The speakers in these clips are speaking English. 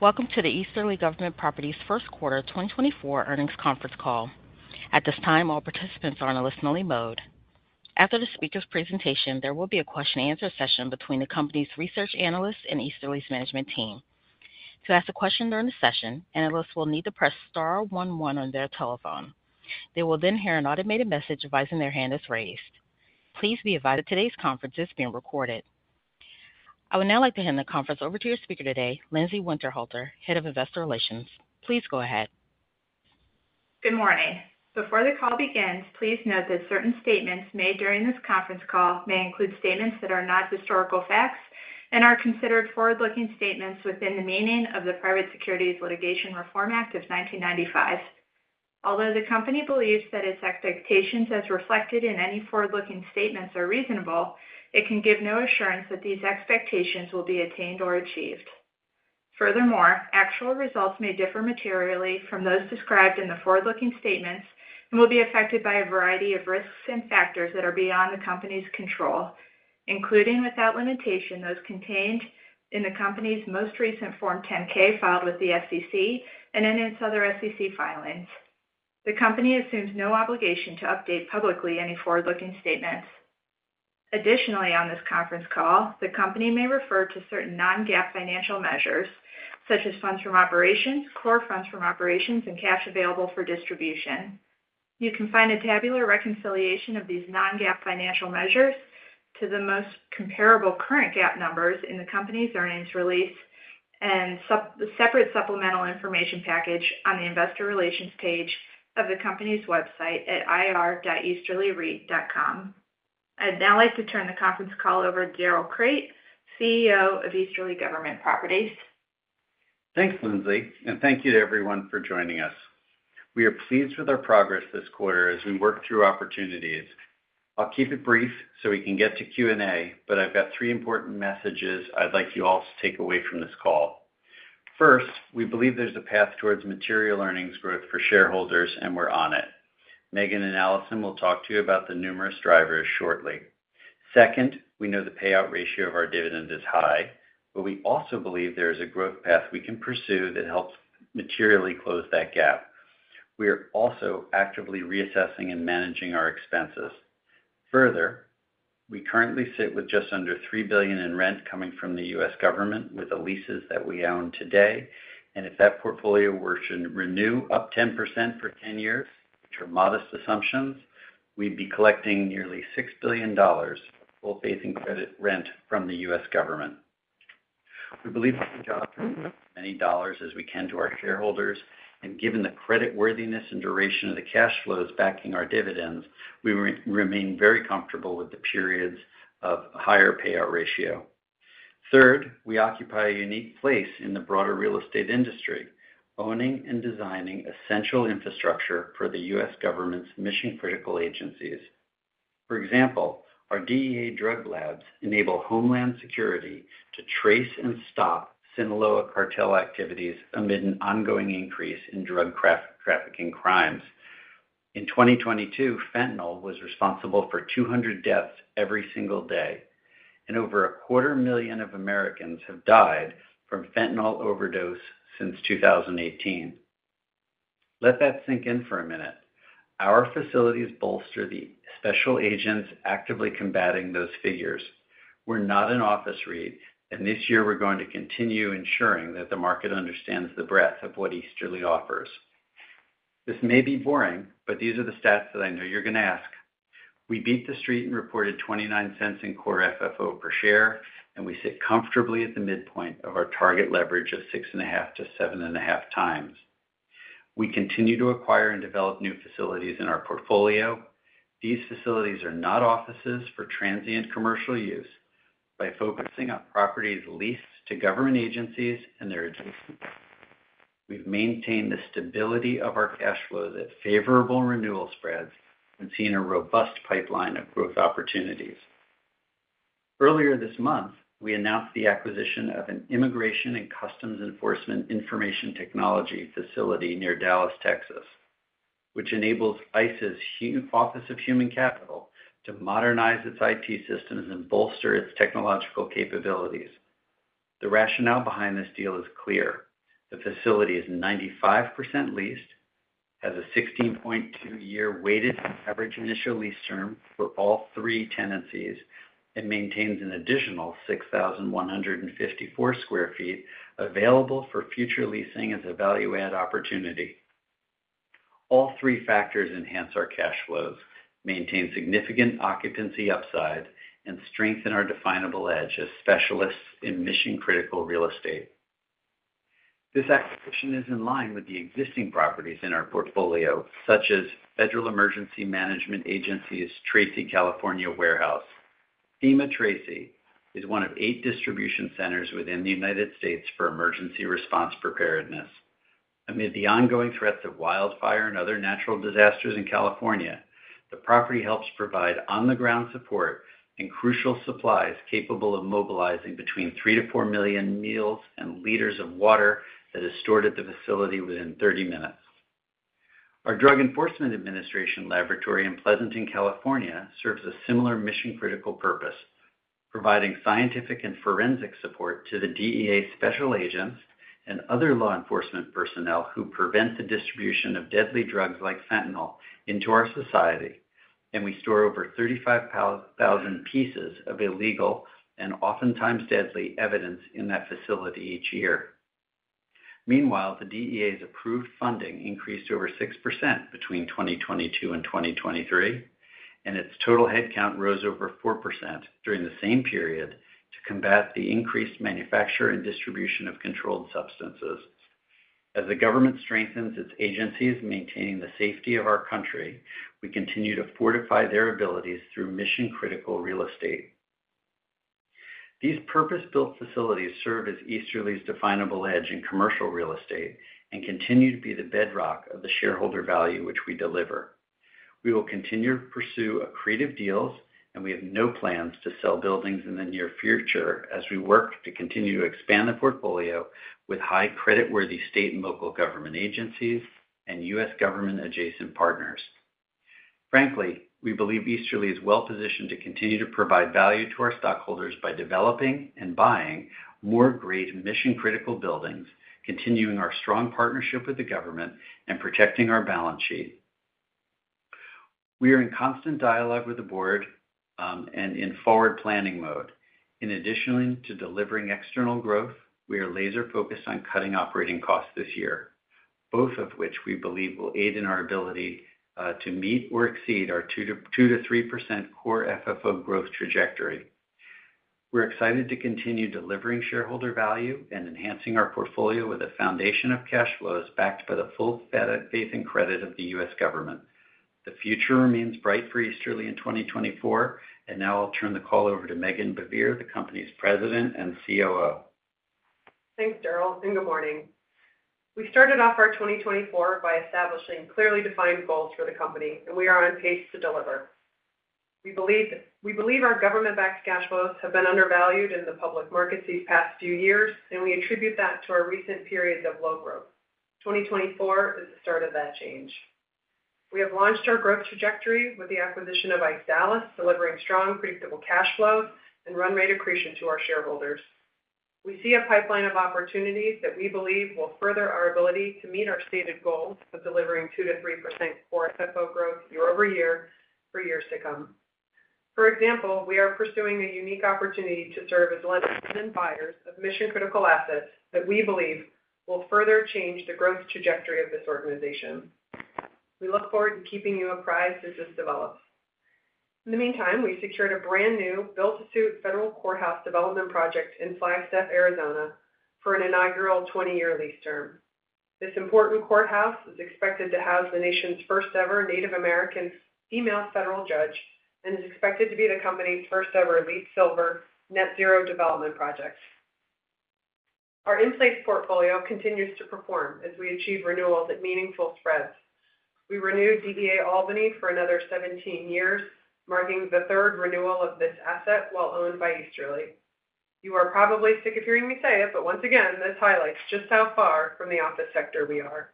Welcome to the Easterly Government Properties First Quarter 2024 Earnings Conference Call. At this time, all participants are on a listen-only mode. After the speaker's presentation, there will be a question-and-answer session between the company's research analysts and Easterly's management team. To ask a question during the session, analysts will need to press star one one on their telephone. They will then hear an automated message advising their hand is raised. Please be advised, today's conference is being recorded. I would now like to hand the conference over to your speaker today, Lindsay Winterhalter, Head of Investor Relations. Please go ahead. Good morning. Before the call begins, please note that certain statements made during this conference call may include statements that are not historical facts and are considered forward-looking statements within the meaning of the Private Securities Litigation Reform Act of 1995. Although the company believes that its expectations, as reflected in any forward-looking statements, are reasonable, it can give no assurance that these expectations will be attained or achieved. Furthermore, actual results may differ materially from those described in the forward-looking statements and will be affected by a variety of risks and factors that are beyond the company's control, including, without limitation, those contained in the company's most recent Form 10-K filed with the SEC and in its other SEC filings. The company assumes no obligation to update publicly any forward-looking statements. Additionally, on this conference call, the company may refer to certain non-GAAP financial measures, such as funds from operations, core funds from operations, and cash available for distribution. You can find a tabular reconciliation of these non-GAAP financial measures to the most comparable current GAAP numbers in the company's earnings release and the separate supplemental information package on the investor relations page of the company's website at ir.easterlyreit.com. I'd now like to turn the conference call over to Darrell Crate, CEO of Easterly Government Properties. Thanks, Lindsay, and thank you to everyone for joining us. We are pleased with our progress this quarter as we work through opportunities. I'll keep it brief so we can get to Q&A, but I've got three important messages I'd like you all to take away from this call. First, we believe there's a path towards material earnings growth for shareholders, and we're on it. Meghan and Allison will talk to you about the numerous drivers shortly. Second, we know the payout ratio of our dividend is high, but we also believe there is a growth path we can pursue that helps materially close that gap. We are also actively reassessing and managing our expenses. Further, we currently sit with just under $3 billion in rent coming from the U.S. government with the leases that we own today, and if that portfolio were to renew up 10% for 10 years, which are modest assumptions, we'd be collecting nearly $6 billion of full faith and credit rent from the U.S. government. We believe it's our job to give as many dollars as we can to our shareholders, and given the creditworthiness and duration of the cash flows backing our dividends, we remain very comfortable with the periods of higher payout ratio. Third, we occupy a unique place in the broader real estate industry, owning and designing essential infrastructure for the U.S. government's mission-critical agencies. For example, our DEA drug labs enable Homeland Security to trace and stop Sinaloa Cartel activities amid an ongoing increase in drug trafficking crimes. In 2022, fentanyl was responsible for 200 deaths every single day, and over quarter a million Americans have died from fentanyl overdose since 2018. Let that sink in for a minute. Our facilities bolster the special agents actively combating those figures. We're not an office REIT, and this year we're going to continue ensuring that the market understands the breadth of what Easterly offers. This may be boring, but these are the stats that I know you're going to ask. We beat the Street and reported $0.29 in core FFO per share, and we sit comfortably at the midpoint of our target leverage of 6.5-7.5 times. We continue to acquire and develop new facilities in our portfolio. These facilities are not offices for transient commercial use. By focusing on properties leased to government agencies and their... We've maintained the stability of our cash flows at favorable renewal spreads and seen a robust pipeline of growth opportunities. Earlier this month, we announced the acquisition of an Immigration and Customs Enforcement information technology facility near Dallas, Texas, which enables ICE's Office of Human Capital to modernize its IT systems and bolster its technological capabilities. The rationale behind this deal is clear: The facility is 95% leased, has a 16.2-year weighted average initial lease term for all three tenancies, and maintains an additional 6,154 sq ft available for future leasing as a value-add opportunity. All three factors enhance our cash flows, maintain significant occupancy upside, and strengthen our definable edge as specialists in mission-critical real estate. This acquisition is in line with the existing properties in our portfolio, such as Federal Emergency Management Agency's Tracy, California, warehouse. FEMA Tracy is one of eight distribution centers within the United States for emergency response preparedness. Amid the ongoing threats of wildfire and other natural disasters in California, the property helps provide on-the-ground support and crucial supplies capable of mobilizing between 3-4 million meals and liters of water that is stored at the facility within 30 minutes....Our Drug Enforcement Administration laboratory in Pleasanton, California, serves a similar mission-critical purpose, providing scientific and forensic support to the DEA special agents and other law enforcement personnel who prevent the distribution of deadly drugs like fentanyl into our society. And we store over 35,000 pieces of illegal and oftentimes deadly evidence in that facility each year. Meanwhile, the DEA's approved funding increased over 6% between 2022 and 2023, and its total headcount rose over 4% during the same period to combat the increased manufacture and distribution of controlled substances. As the government strengthens its agencies maintaining the safety of our country, we continue to fortify their abilities through mission-critical real estate. These purpose-built facilities serve as Easterly's definable edge in commercial real estate and continue to be the bedrock of the shareholder value, which we deliver. We will continue to pursue creative deals, and we have no plans to sell buildings in the near future as we work to continue to expand the portfolio with high creditworthy state and local government agencies and U.S. government adjacent partners. Frankly, we believe Easterly is well positioned to continue to provide value to our stockholders by developing and buying more great mission-critical buildings, continuing our strong partnership with the government, and protecting our balance sheet. We are in constant dialogue with the board, and in forward planning mode. In addition to delivering external growth, we are laser focused on cutting operating costs this year, both of which we believe will aid in our ability to meet or exceed our 2%-3% core FFO growth trajectory. We're excited to continue delivering shareholder value and enhancing our portfolio with a foundation of cash flows, backed by the full faith and credit of the U.S. government. The future remains bright for Easterly in 2024, and now I'll turn the call over to Meghan Baivier, the company's President and COO. Thanks, Darrell, and good morning. We started off our 2024 by establishing clearly defined goals for the company, and we are on pace to deliver. We believe, we believe our government-backed cash flows have been undervalued in the public markets these past few years, and we attribute that to our recent periods of low growth. 2024 is the start of that change. We have launched our growth trajectory with the acquisition of ICE Dallas, delivering strong, predictable cash flows and run rate accretion to our shareholders. We see a pipeline of opportunities that we believe will further our ability to meet our stated goals of delivering 2%-3% Core FFO growth year-over-year for years to come. For example, we are pursuing a unique opportunity to serve as lenders and buyers of mission-critical assets that we believe will further change the growth trajectory of this organization. We look forward to keeping you apprised as this develops. In the meantime, we secured a brand new built-to-suit federal courthouse development project in Flagstaff, Arizona, for an inaugural 20-year lease term. This important courthouse is expected to house the nation's first ever Native American female federal judge and is expected to be the company's first ever LEED Silver Net Zero development project. Our in-place portfolio continues to perform as we achieve renewals at meaningful spreads. We renewed DEA Albany for another 17 years, marking the third renewal of this asset while owned by Easterly. You are probably sick of hearing me say it, but once again, this highlights just how far from the office sector we are.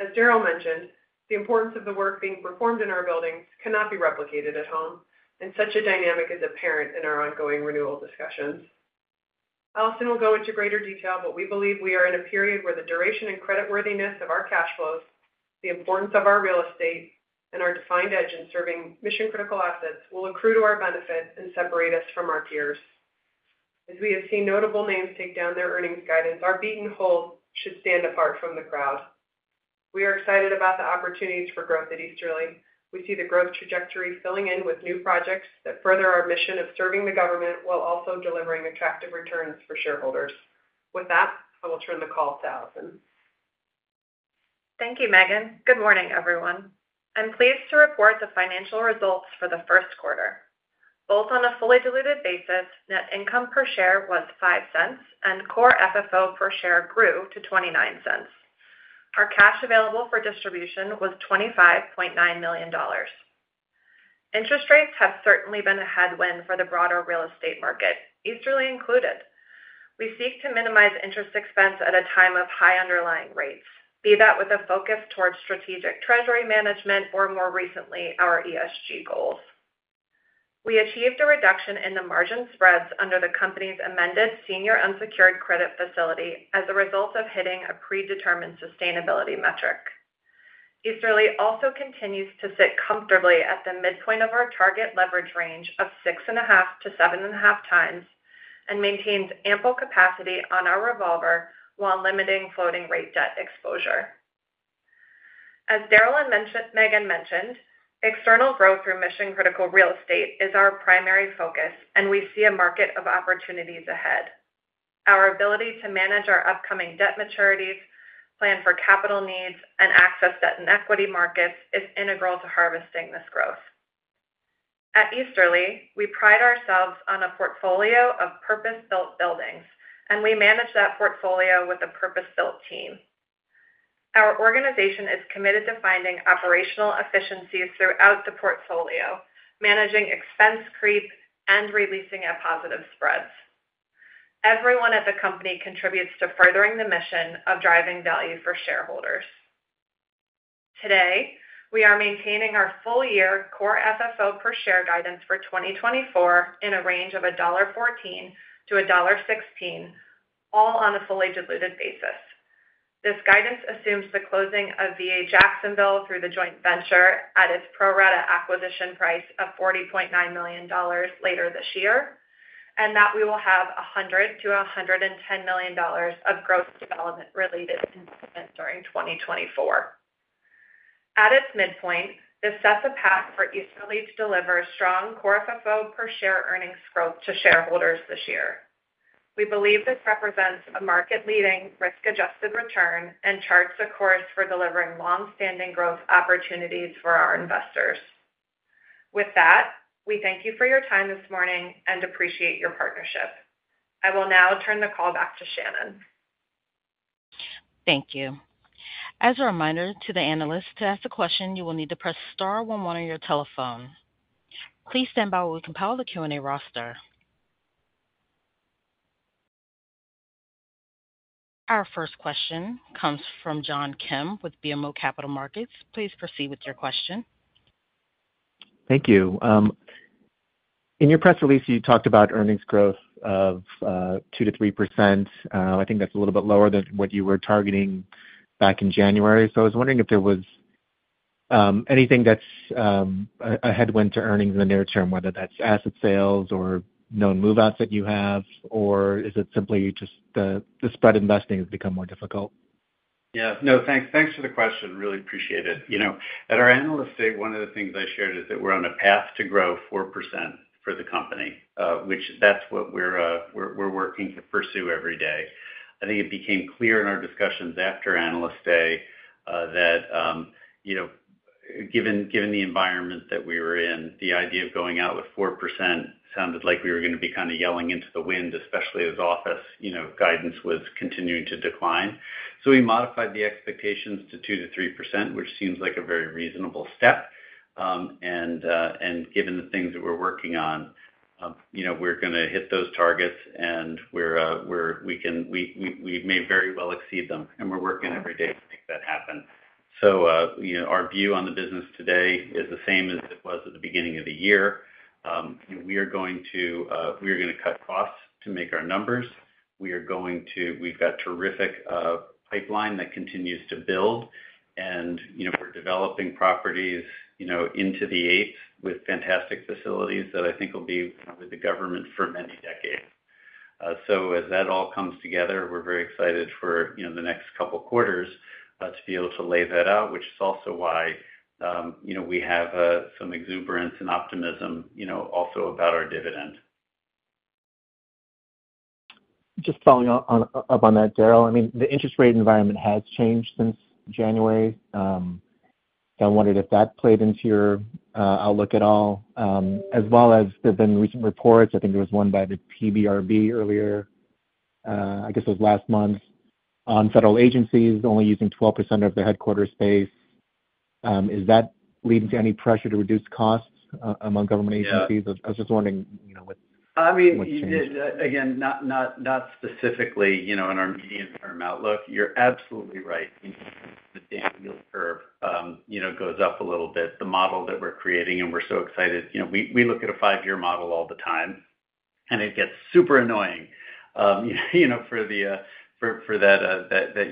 As Darrell mentioned, the importance of the work being performed in our buildings cannot be replicated at home, and such a dynamic is apparent in our ongoing renewal discussions. Allison will go into greater detail, but we believe we are in a period where the duration and creditworthiness of our cash flows, the importance of our real estate, and our defined edge in serving mission-critical assets will accrue to our benefit and separate us from our peers. As we have seen notable names take down their earnings guidance, our beaten path should stand apart from the crowd. We are excited about the opportunities for growth at Easterly. We see the growth trajectory filling in with new projects that further our mission of serving the government, while also delivering attractive returns for shareholders. With that, I will turn the call to Allison. Thank you, Meghan. Good morning, everyone. I'm pleased to report the financial results for the first quarter. Both on a fully diluted basis, net income per share was $0.05, and core FFO per share grew to $0.29. Our cash available for distribution was $25.9 million. Interest rates have certainly been a headwind for the broader real estate market, Easterly included. We seek to minimize interest expense at a time of high underlying rates, be that with a focus towards strategic treasury management or, more recently, our ESG goals. We achieved a reduction in the margin spreads under the company's amended senior unsecured credit facility as a result of hitting a predetermined sustainability metric. Easterly also continues to sit comfortably at the midpoint of our target leverage range of 6.5-7.5 times, and maintains ample capacity on our revolver while limiting floating rate debt exposure. As Darrell mentioned—Meghan mentioned, external growth through mission-critical real estate is our primary focus, and we see a market of opportunities ahead. Our ability to manage our upcoming debt maturities, plan for capital needs, and access debt and equity markets is integral to harvesting this growth. At Easterly, we pride ourselves on a portfolio of purpose-built buildings, and we manage that portfolio with a purpose-built team. Our organization is committed to finding operational efficiencies throughout the portfolio, managing expense creep, and releasing at positive spreads. Everyone at the company contributes to furthering the mission of driving value for shareholders. Today, we are maintaining our full year Core FFO per share guidance for 2024 in a range of $1.14-$1.16, all on a fully diluted basis. This guidance assumes the closing of VA Jacksonville through the joint venture at its pro rata acquisition price of $40.9 million later this year, and that we will have $100 million-$110 million of growth development related investments during 2024. At its midpoint, this sets a path for Easterly to deliver strong Core FFO per share earnings growth to shareholders this year. We believe this represents a market leading risk-adjusted return and charts a course for delivering long-standing growth opportunities for our investors. With that, we thank you for your time this morning and appreciate your partnership. I will now turn the call back to Shannon. Thank you. As a reminder to the analysts, to ask a question, you will need to press star one one on your telephone. Please stand by while we compile the Q&A roster. Our first question comes from John Kim with BMO Capital Markets. Please proceed with your question. Thank you. In your press release, you talked about earnings growth of 2%-3%. I think that's a little bit lower than what you were targeting back in January. So I was wondering if there was anything that's a headwind to earnings in the near term, whether that's asset sales or known move-outs that you have, or is it simply just the spread investing has become more difficult? Yeah. No, thanks, thanks for the question. Really appreciate it. You know, at our Analyst Day, one of the things I shared is that we're on a path to grow 4% for the company, which is what we're working to pursue every day. I think it became clear in our discussions after Analyst Day, that, you know, given the environment that we were in, the idea of going out with 4% sounded like we were gonna be kind of yelling into the wind, especially as office, you know, guidance was continuing to decline. So we modified the expectations to 2%-3%, which seems like a very reasonable step. Given the things that we're working on, you know, we're gonna hit those targets and we may very well exceed them, and we're working every day to make that happen. So, you know, our view on the business today is the same as it was at the beginning of the year. We are going to cut costs to make our numbers. We've got a terrific pipeline that continues to build, and, you know, we're developing properties, you know, into the 8s, with fantastic facilities that I think will be with the government for many decades. So as that all comes together, we're very excited for, you know, the next couple of quarters, to be able to lay that out, which is also why, you know, we have some exuberance and optimism, you know, also about our dividend. Just following up on that, Darrell. I mean, the interest rate environment has changed since January. So I wondered if that played into your outlook at all, as well as there've been recent reports, I think there was one by the PBRB earlier, I guess it was last month, on federal agencies only using 12% of their headquarter space. Is that leading to any pressure to reduce costs among government agencies? Yeah. I was just wondering, you know, what- I mean- What changed. Again, not, not, not specifically, you know, in our medium-term outlook, you're absolutely right. The yield curve, you know, goes up a little bit. The model that we're creating, and we're so excited, you know, we look at a five-year model all the time, and it gets super annoying, you know, for that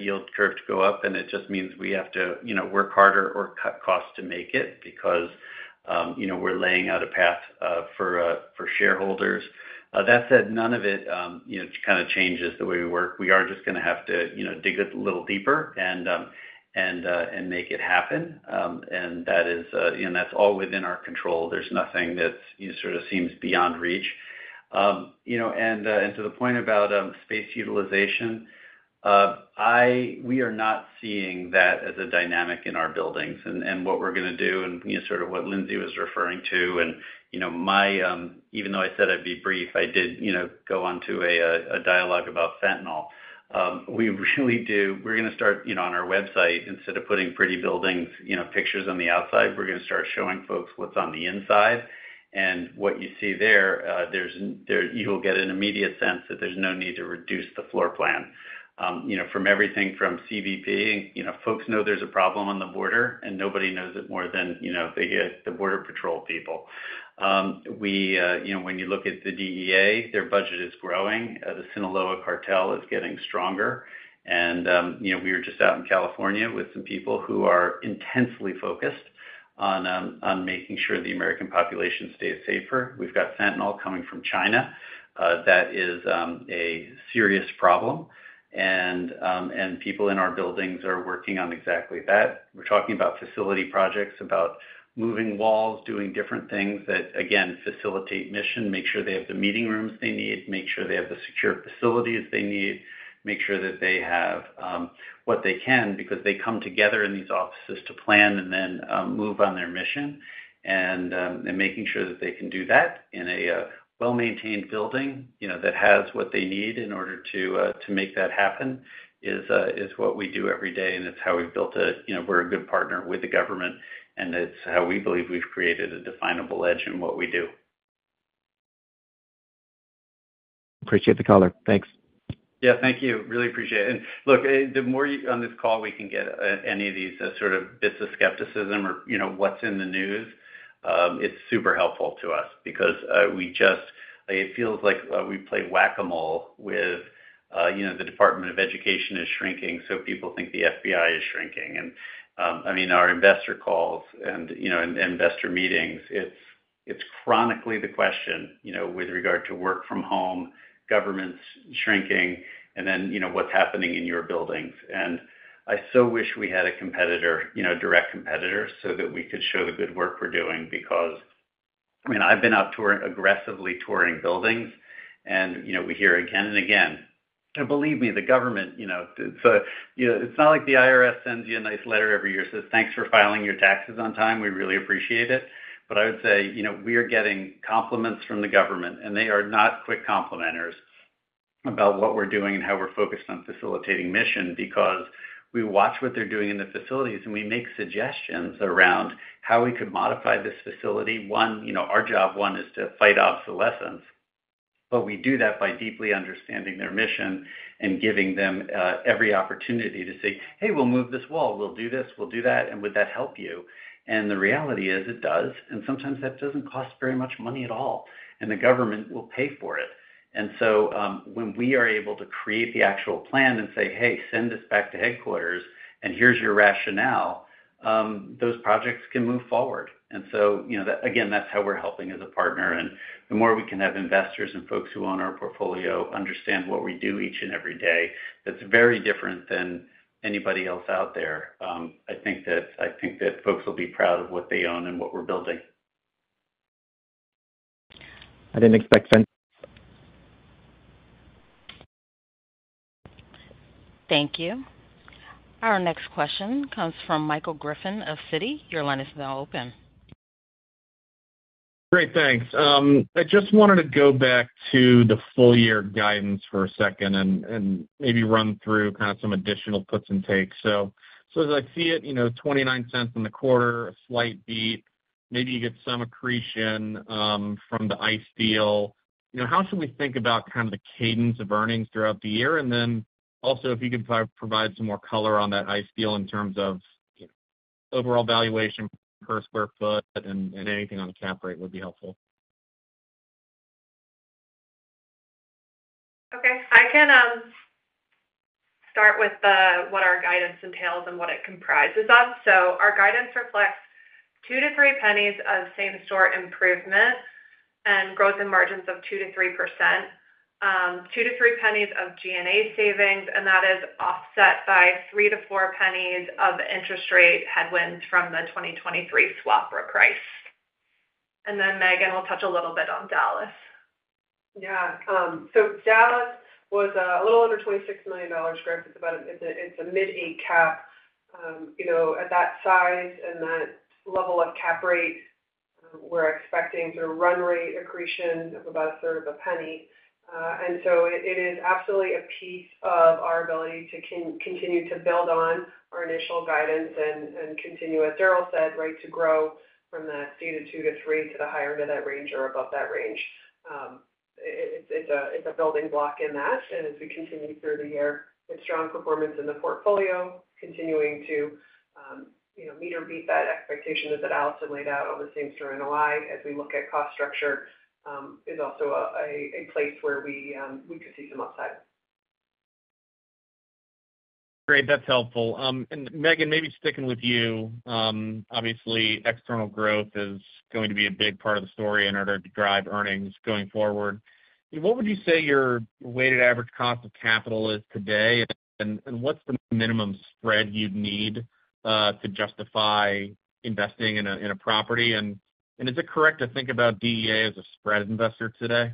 yield curve to go up, and it just means we have to, you know, work harder or cut costs to make it because, you know, we're laying out a path for shareholders. That said, none of it, you know, kind of changes the way we work. We are just gonna have to, you know, dig a little deeper and make it happen. And that is, you know, that's all within our control. There's nothing that's, sort of seems beyond reach. You know, and to the point about space utilization, we are not seeing that as a dynamic in our buildings and what we're gonna do, and you know, sort of what Lindsay was referring to, and you know, my... Even though I said I'd be brief, I did, you know, go on to a dialogue about fentanyl. We really do-- we're gonna start, you know, on our website, instead of putting pretty buildings, you know, pictures on the outside, we're gonna start showing folks what's on the inside. And what you see there, you will get an immediate sense that there's no need to reduce the floor plan. You know, from everything from CBP, you know, folks know there's a problem on the border, and nobody knows it more than, you know, the border patrol people. We, you know, when you look at the DEA, their budget is growing. The Sinaloa Cartel is getting stronger. You know, we were just out in California with some people who are intensely focused on making sure the American population stays safer. We've got fentanyl coming from China. That is a serious problem. People in our buildings are working on exactly that. We're talking about facility projects, about moving walls, doing different things that, again, facilitate mission, make sure they have the meeting rooms they need, make sure they have the secure facilities they need, make sure that they have what they can, because they come together in these offices to plan and then move on their mission. And making sure that they can do that in a well-maintained building, you know, that has what they need in order to make that happen is what we do every day, and it's how we've built a you know, we're a good partner with the government, and it's how we believe we've created a definable edge in what we do. Appreciate the color. Thanks. Yeah, thank you. Really appreciate it. And look, the more you on this call, we can get, any of these as sort of bits of skepticism or, you know, what's in the news, it's super helpful to us because, we just-- it feels like, we play Whac-A-Mole with, you know, the Department of Education is shrinking, so people think the FBI is shrinking. And, I mean, our investor calls and, you know, and investor meetings, it's, it's chronically the question, you know, with regard to work from home, governments shrinking, and then, you know, what's happening in your buildings. And I so wish we had a competitor, you know, direct competitor, so that we could show the good work we're doing. Because, I mean, I've been out touring-- aggressively touring buildings, and, you know, we hear again and again. And believe me, the government, you know, so, you know, it's not like the IRS sends you a nice letter every year, says, "Thanks for filing your taxes on time. We really appreciate it." But I would say, you know, we are getting compliments from the government, and they are not quick complimenters, about what we're doing and how we're focused on facilitating mission. Because we watch what they're doing in the facilities, and we make suggestions around how we could modify this facility. One, you know, our job, one, is to fight obsolescence, but we do that by deeply understanding their mission and giving them every opportunity to say, "Hey, we'll move this wall. We'll do this, we'll do that, and would that help you?" And the reality is, it does, and sometimes that doesn't cost very much money at all, and the government will pay for it. And so, when we are able to create the actual plan and say, "Hey, send this back to headquarters, and here's your rationale," those projects can move forward. And so, you know, that, again, that's how we're helping as a partner. And the more we can have investors and folks who own our portfolio understand what we do each and every day, that's very different than anybody else out there. I think that, I think that folks will be proud of what they own and what we're building. I didn't expect then. Thank you. Our next question comes from Michael Griffin of Citi. Your line is now open. Great, thanks. I just wanted to go back to the full year guidance for a second and maybe run through kind of some additional puts and takes. So, as I see it, you know, $0.29 in the quarter, a slight beat, maybe you get some accretion from the ICE deal. You know, how should we think about kind of the cadence of earnings throughout the year? And then also, if you could provide some more color on that ICE deal in terms of overall valuation per square foot and anything on the cap rate would be helpful. Okay. I can start with what our guidance entails and what it comprises of. So our guidance reflects 2-3 pennies of same-store improvement and growth in margins of 2%-3%, 2-3 pennies of G&A savings, and that is offset by 3-4 pennies of interest rate headwinds from the 2023 swap reprice. And then Meghan will touch a little bit on Dallas. Yeah. So Dallas was a little under $26 million, Griff. It's about, it's a mid-8 cap. You know, at that size and that level of cap rate, we're expecting sort of run rate accretion of about sort of a penny. And so it is absolutely a piece of our ability to continue to build on our initial guidance and continue, as Darrell said, right, to grow from the stated 2-3 to the higher end of that range or above that range. It's a building block in that. And as we continue through the year with strong performance in the portfolio, continuing to, you know, meet or beat that expectation that Allison laid out on the same-store NOI, as we look at cost structure, is also a place where we could see some upside. Great. That's helpful. And Meghan, maybe sticking with you. Obviously, external growth is going to be a big part of the story in order to drive earnings going forward. What would you say your weighted average cost of capital is today, and what's the minimum spread you'd need to justify investing in a property? And is it correct to think about us as a spread investor today?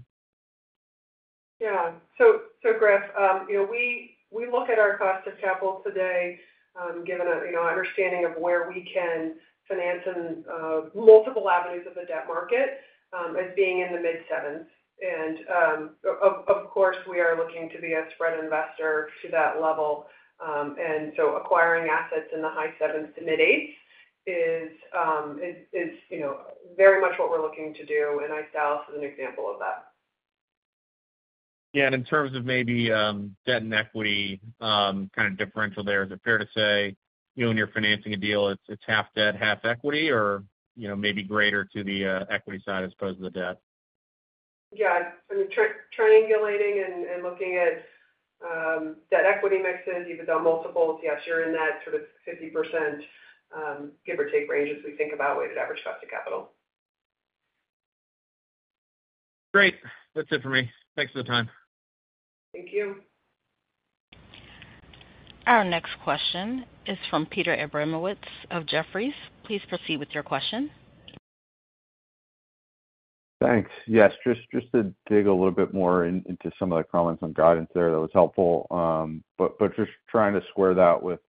Yeah. So, Griff, you know, we look at our cost of capital today, given a you know understanding of where we can finance in multiple avenues of the debt market, as being in the mid-sevens. And, of course, we are looking to be a spread investor to that level. And so acquiring assets in the high sevens to mid eights is, you know, very much what we're looking to do, and ICE Dallas is an example of that. Yeah, and in terms of maybe debt and equity kind of differential there, is it fair to say you and you're financing a deal, it's half debt, half equity, or you know, maybe greater to the equity side as opposed to the debt? Yeah. Triangulating and looking at debt/equity mixes, even though multiples, yes, you're in that sort of 50%, give or take range as we think about weighted average cost of capital. Great. That's it for me. Thanks for the time. Thank you. Our next question is from Peter Abramowitz of Jefferies. Please proceed with your question. Thanks. Yes, just to dig a little bit more into some of the comments on guidance there, that was helpful. But just trying to square that with- ...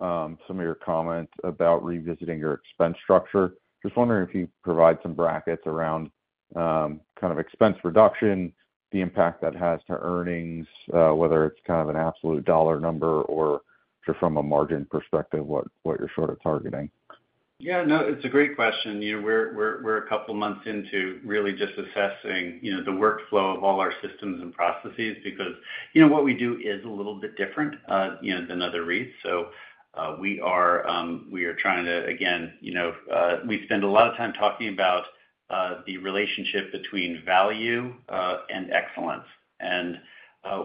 some of your comments about revisiting your expense structure. Just wondering if you'd provide some brackets around kind of expense reduction, the impact that has to earnings, whether it's kind of an absolute dollar number or just from a margin perspective, what you're sort of targeting? Yeah, no, it's a great question. You know, we're a couple of months into really just assessing, you know, the workflow of all our systems and processes, because, you know, what we do is a little bit different, you know, than other REITs. So, we are trying to, again, you know, we spend a lot of time talking about the relationship between value and excellence. And,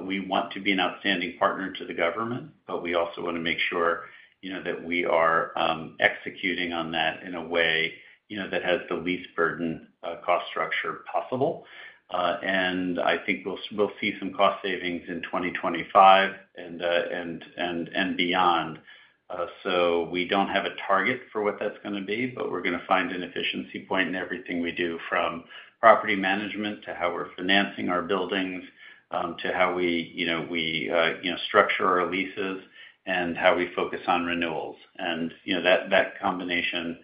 we want to be an outstanding partner to the government, but we also want to make sure, you know, that we are executing on that in a way, you know, that has the least burden cost structure possible. And I think we'll see some cost savings in 2025 and beyond. So we don't have a target for what that's going to be, but we're going to find an efficiency point in everything we do, from property management to how we're financing our buildings, to how we, you know, we, you know, structure our leases and how we focus on renewals. And, you know, that combination,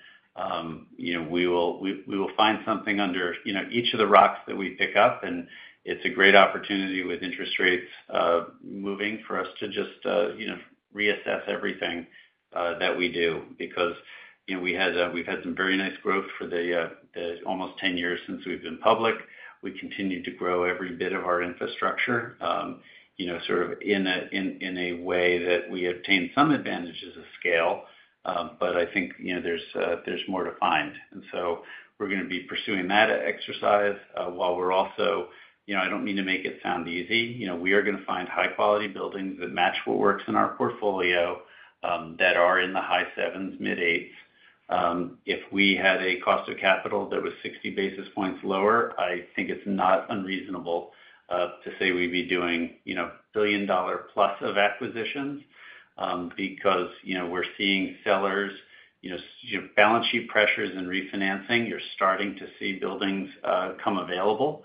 you know, we will find something under, you know, each of the rocks that we pick up, and it's a great opportunity with interest rates moving for us to just, you know, reassess everything that we do. Because, you know, we've had some very nice growth for the almost 10 years since we've been public. We continue to grow every bit of our infrastructure, excuse me, sort of in a way that we obtain some advantages of scale. But I think, you know, there's more to find. So we're going to be pursuing that exercise, while we're also, you know, I don't mean to make it sound easy. You know, we are going to find high-quality buildings that match what works in our portfolio, that are in the high 7s, mid 8s. If we had a cost of capital that was 60 basis points lower, I think it's not unreasonable, to say we'd be doing, you know, $1 billion+ of acquisitions. Because, you know, we're seeing sellers, you know, balance sheet pressures and refinancing, you're starting to see buildings, come available.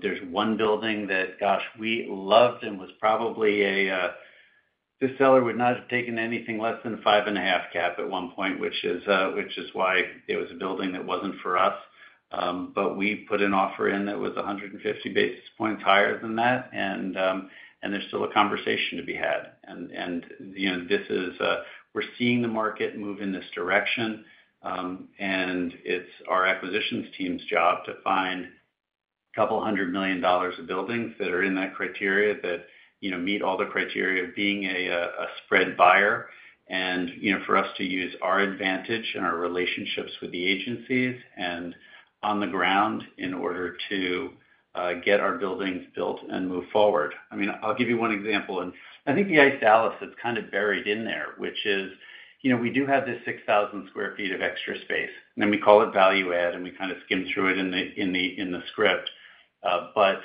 There's one building that, gosh, we loved and was probably a. This seller would not have taken anything less than 5.5 cap at one point, which is why it was a building that wasn't for us. But we put an offer in that was 150 basis points higher than that, and there's still a conversation to be had. And you know, this is, we're seeing the market move in this direction, and it's our acquisitions team's job to find a couple hundred million dollars of buildings that are in that criteria, that you know, meet all the criteria of being a spread buyer. You know, for us to use our advantage and our relationships with the agencies and on the ground in order to get our buildings built and move forward. I mean, I'll give you one example, and I think the ICE Dallas is kind of buried in there, which is, you know, we do have this 6,000 sq ft of extra space, and we call it value add, and we kind of skim through it in the script. But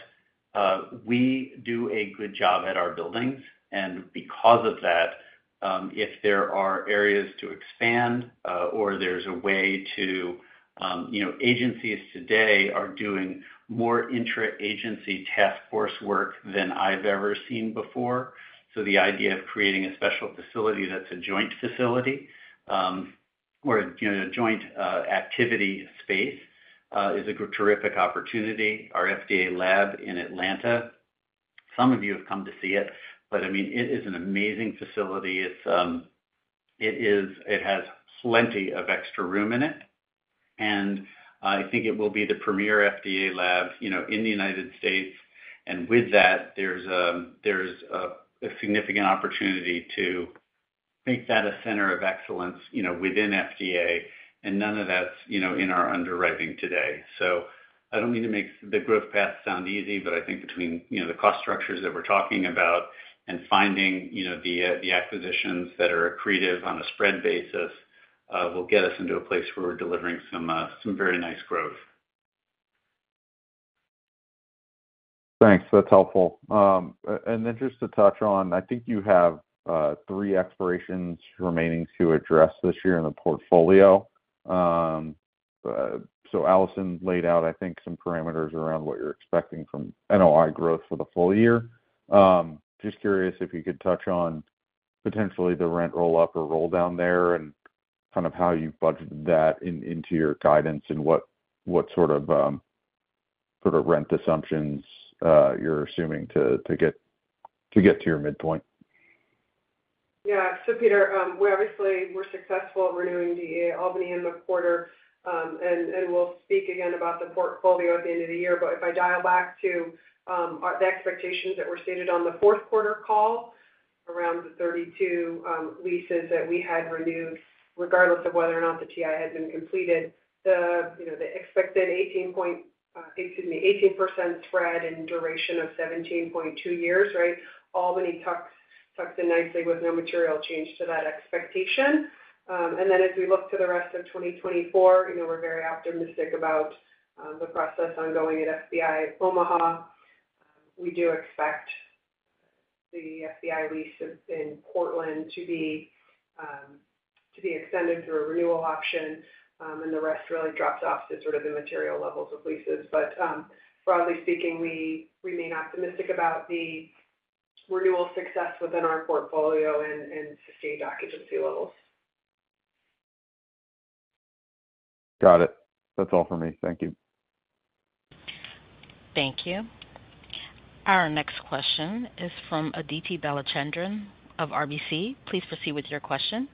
we do a good job at our buildings, and because of that, if there are areas to expand, or there's a way to... You know, agencies today are doing more intra-agency task force work than I've ever seen before. So the idea of creating a special facility that's a joint facility, or, you know, a joint, activity space, is a terrific opportunity. Our FDA lab in Atlanta, some of you have come to see it, but I mean, it is an amazing facility. It's, it is it has plenty of extra room in it, and I think it will be the premier FDA lab, you know, in the United States. And with that, there's a, there's a, a significant opportunity to make that a center of excellence, you know, within FDA, and none of that's, you know, in our underwriting today. So I don't mean to make the growth path sound easy, but I think between, you know, the cost structures that we're talking about and finding, you know, the acquisitions that are accretive on a spread basis, will get us into a place where we're delivering some very nice growth. Thanks. That's helpful. And then just to touch on, I think you have three expirations remaining to address this year in the portfolio. So Allison laid out, I think, some parameters around what you're expecting from NOI growth for the full year. Just curious if you could touch on potentially the rent roll up or roll down there, and kind of how you've budgeted that into your guidance, and what sort of rent assumptions you're assuming to get to your midpoint. Yeah. So Peter, we obviously were successful at renewing the Albany in the quarter. And we'll speak again about the portfolio at the end of the year. But if I dial back to the expectations that were stated on the fourth quarter call, around the 32 leases that we had renewed, regardless of whether or not the TI had been completed, you know, the expected 18 point, excuse me, 18% spread and duration of 17.2 years, right? Albany tucks in nicely with no material change to that expectation. And then as we look to the rest of 2024, you know, we're very optimistic about the process ongoing at FBI Omaha. We do expect the FBI lease in Portland to be... to be extended through a renewal option, and the rest really drops off to sort of the material levels of leases. But, broadly speaking, we remain optimistic about the renewal success within our portfolio and sustained occupancy levels. Got it. That's all for me. Thank you. Thank you. Our next question is from Aditi Balachandran of RBC. Please proceed with your question.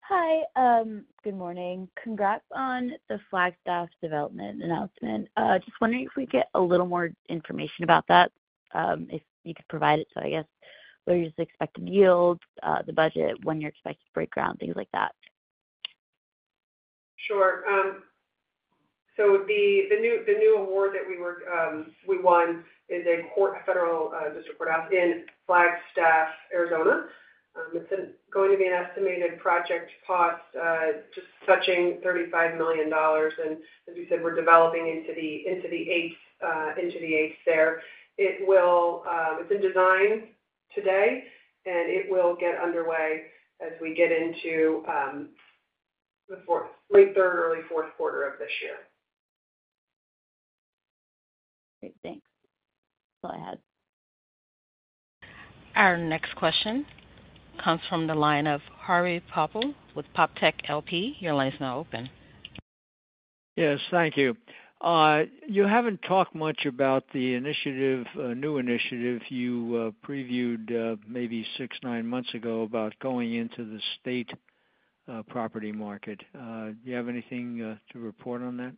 Hi, good morning. Congrats on the Flagstaff development announcement. Just wondering if we could get a little more information about that, if you could provide it. So I guess, what are your expected yields, the budget, when you're expected to break ground, things like that? Sure. So the new award that we won is a federal district courthouse in Flagstaff, Arizona. It's going to be an estimated project cost just touching $35 million, and as you said, we're developing into the eighth there. It will, it's in design today, and it will get underway as we get into the fourth—late third or early fourth quarter of this year. Great. Thanks. Glad. Our next question comes from the line of Harvey Poppel with PopTech LP. Your line is now open. Yes, thank you. You haven't talked much about the initiative, new initiative you previewed, maybe 6-9 months ago, about going into the state property market. Do you have anything to report on that?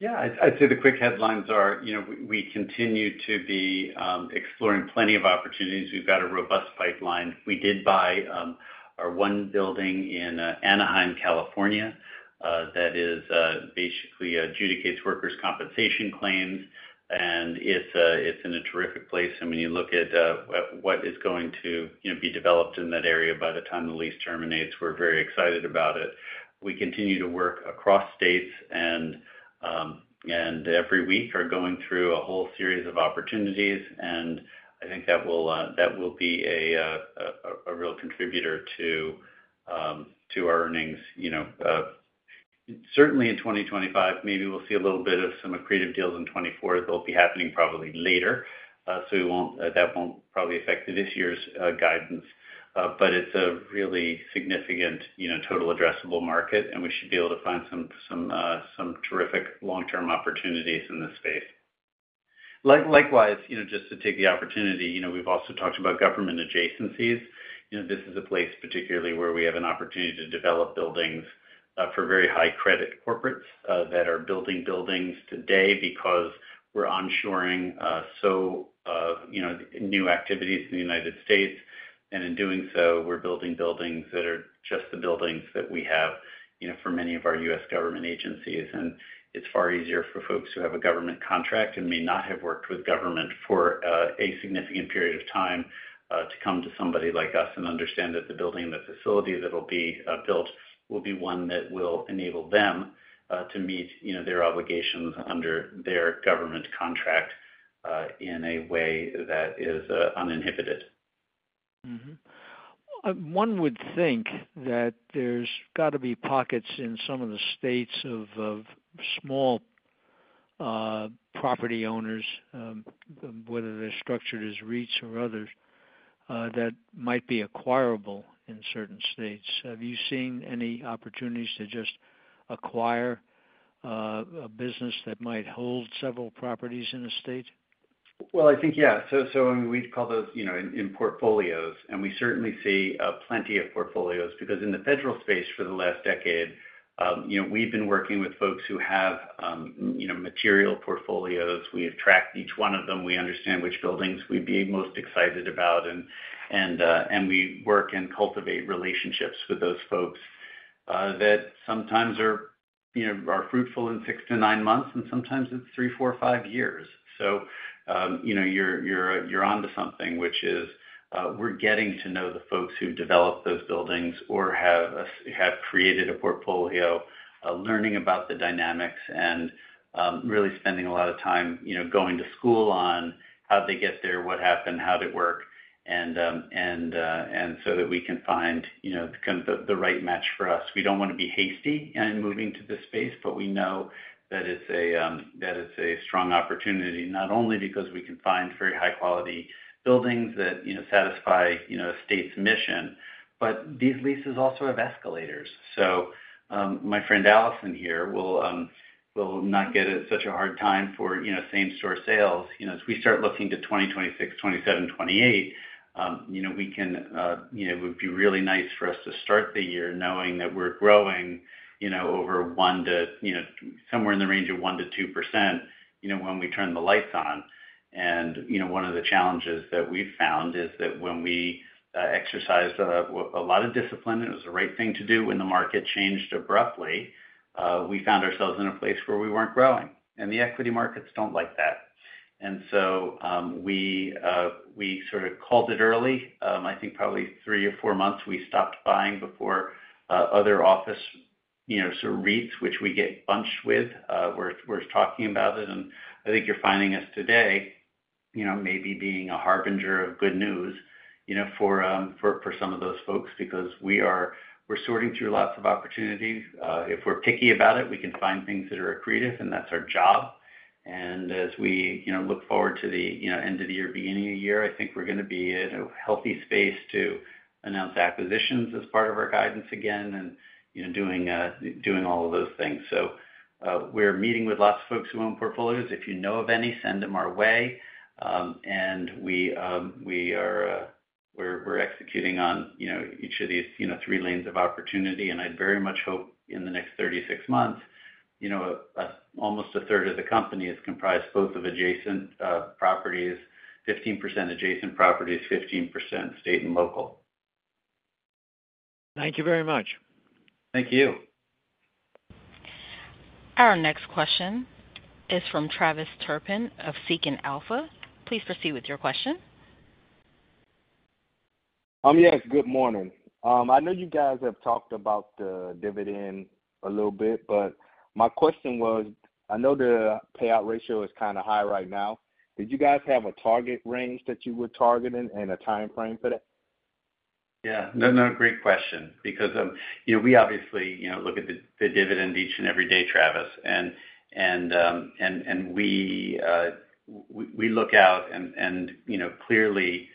Yeah, I'd say the quick headlines are, you know, we continue to be exploring plenty of opportunities. We've got a robust pipeline. We did buy our one building in Anaheim, California, that is basically adjudicates workers' compensation claims, and it's in a terrific place. And when you look at what is going to, you know, be developed in that area by the time the lease terminates, we're very excited about it. We continue to work across states and every week are going through a whole series of opportunities, and I think that will be a real contributor to our earnings, you know, certainly in 2025, maybe we'll see a little bit of some accretive deals in 2024. They'll be happening probably later, so we won't—that won't probably affect this year's guidance. But it's a really significant, you know, total addressable market, and we should be able to find some, some, some terrific long-term opportunities in this space. Likewise, you know, just to take the opportunity, you know, we've also talked about government adjacencies. You know, this is a place particularly where we have an opportunity to develop buildings for very high credit corporates that are building buildings today because we're onshoring, so, you know, new activities in the United States. And in doing so, we're building buildings that are just the buildings that we have, you know, for many of our U.S. government agencies. It's far easier for folks who have a government contract and may not have worked with government for a significant period of time to come to somebody like us and understand that the building and the facility that'll be built will be one that will enable them to meet, you know, their obligations under their government contract in a way that is uninhibited. Mm-hmm. One would think that there's got to be pockets in some of the states of small property owners, whether they're structured as REITs or others, that might be acquirable in certain states. Have you seen any opportunities to just acquire a business that might hold several properties in a state? Well, I think, yeah. So, and we'd call those, you know, in portfolios, and we certainly see plenty of portfolios, because in the federal space for the last decade, you know, we've been working with folks who have, you know, material portfolios. We've tracked each one of them. We understand which buildings we'd be most excited about, and, and, and we work and cultivate relationships with those folks, that sometimes are, you know, are fruitful in 6-9 months, and sometimes it's 3, 4, or 5 years. So, you know, you're onto something, which is, we're getting to know the folks who develop those buildings or have created a portfolio, learning about the dynamics and really spending a lot of time, you know, going to school on how'd they get there, what happened, how'd it work, and so that we can find, you know, kind of the right match for us. We don't want to be hasty in moving to this space, but we know that it's a strong opportunity, not only because we can find very high quality buildings that, you know, satisfy, you know, a state's mission, but these leases also have escalators. So, my friend Allison here will not get it such a hard time for, you know, same store sales. You know, as we start looking to 2026, 2027, 2028, you know, we can, you know, it would be really nice for us to start the year knowing that we're growing, you know, over 1 to, you know, somewhere in the range of 1%-2%, you know, when we turn the lights on. And, you know, one of the challenges that we've found is that when we exercised a lot of discipline, it was the right thing to do when the market changed abruptly, we found ourselves in a place where we weren't growing, and the equity markets don't like that. And so, we sort of called it early. I think probably 3 or 4 months, we stopped buying before other office, you know, sort of REITs, which we get bunched with, we're, we're talking about it, and I think you're finding us today... you know, maybe being a harbinger of good news, you know, for, for, for some of those folks, because we are—we're sorting through lots of opportunities. If we're picky about it, we can find things that are accretive, and that's our job. And as we, you know, look forward to the, you know, end of the year, beginning of the year, I think we're gonna be at a healthy space to announce acquisitions as part of our guidance again, and, you know, doing all of those things. So, we're meeting with lots of folks who own portfolios. If you know of any, send them our way. and we are executing on, you know, each of these, you know, three lanes of opportunity, and I'd very much hope in the next 36 months, you know, almost a third of the company is comprised both of adjacent properties, 15% adjacent properties, 15% state and local. Thank you very much. Thank you. Our next question is from Travis Turpin of Seeking Alpha. Please proceed with your question. Yes, good morning. I know you guys have talked about the dividend a little bit, but my question was, I know the payout ratio is kind of high right now. Did you guys have a target range that you were targeting and a timeframe for that? Yeah. No, no, great question, because you know, we obviously you know, look at the dividend each and every day, Travis. We look out and you know, clearly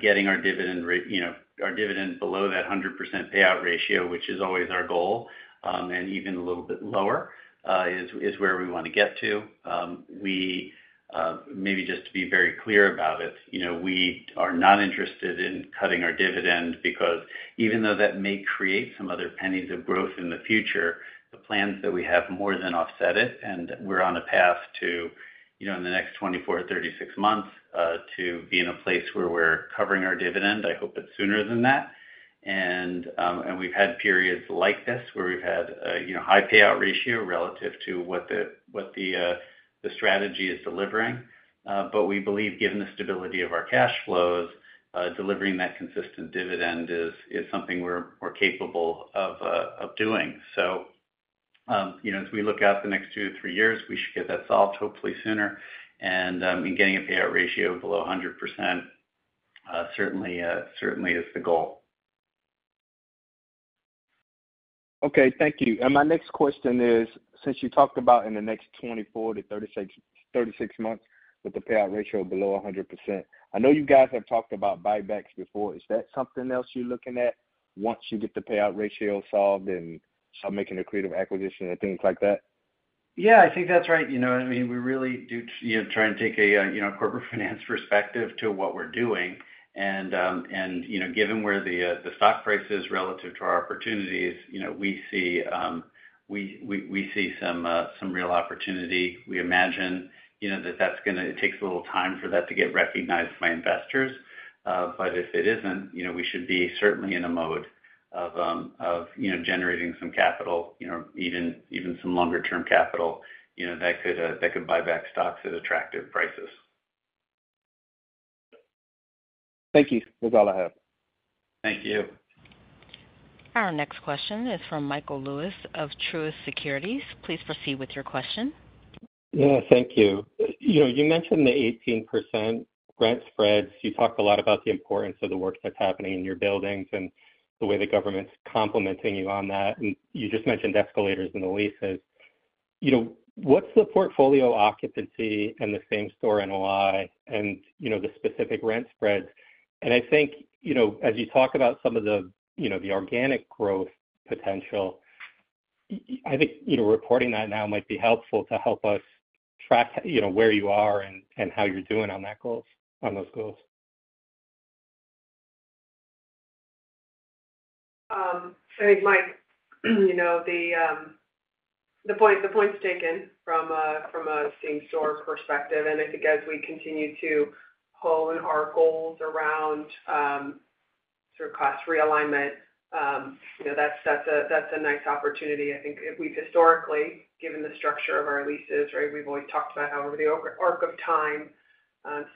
getting our dividend, you know, our dividend below that 100% payout ratio, which is always our goal, and even a little bit lower, is where we want to get to. We maybe just to be very clear about it, you know, we are not interested in cutting our dividend because even though that may create some other pennies of growth in the future, the plans that we have more than offset it, and we're on a path to, you know, in the next 24-36 months, to be in a place where we're covering our dividend. I hope it's sooner than that. We've had periods like this, where we've had, you know, high payout ratio relative to what the, what the, the strategy is delivering. But we believe, given the stability of our cash flows, delivering that consistent dividend is something we're capable of doing. So, you know, as we look out the next 2-3 years, we should get that solved hopefully sooner. And in getting a payout ratio below 100%, certainly is the goal. Okay, thank you. My next question is, since you talked about in the next 24-36, 36 months, with the payout ratio below 100%, I know you guys have talked about buybacks before. Is that something else you're looking at once you get the payout ratio solved and start making accretive acquisitions and things like that? Yeah, I think that's right. You know, I mean, we really do, you know, try and take a, you know, corporate finance perspective to what we're doing. And, you know, given where the, the stock price is relative to our opportunities, you know, we see, we see some, some real opportunity. We imagine, you know, that that's gonna. It takes a little time for that to get recognized by investors. But if it isn't, you know, we should be certainly in a mode of, you know, generating some capital, you know, even some longer-term capital, you know, that could, that could buy back stocks at attractive prices. Thank you. That's all I have. Thank you. Our next question is from Michael Lewis of Truist Securities. Please proceed with your question. Yeah, thank you. You know, you mentioned the 18% rent spreads. You talked a lot about the importance of the work that's happening in your buildings and the way the government's complimenting you on that. And you just mentioned escalators in the leases. You know, what's the portfolio occupancy and the same-store NOI and, you know, the specific rent spreads? And I think, you know, as you talk about some of the, you know, the organic growth potential, I think, you know, reporting that now might be helpful to help us track, you know, where you are and, and how you're doing on that goals, on those goals. I think, Mike, you know, the point's taken from a same-store perspective, and I think as we continue to hone our goals around sort of cost realignment, you know, that's a nice opportunity. I think we've historically, given the structure of our leases, right, we've always talked about how over the long arc of time,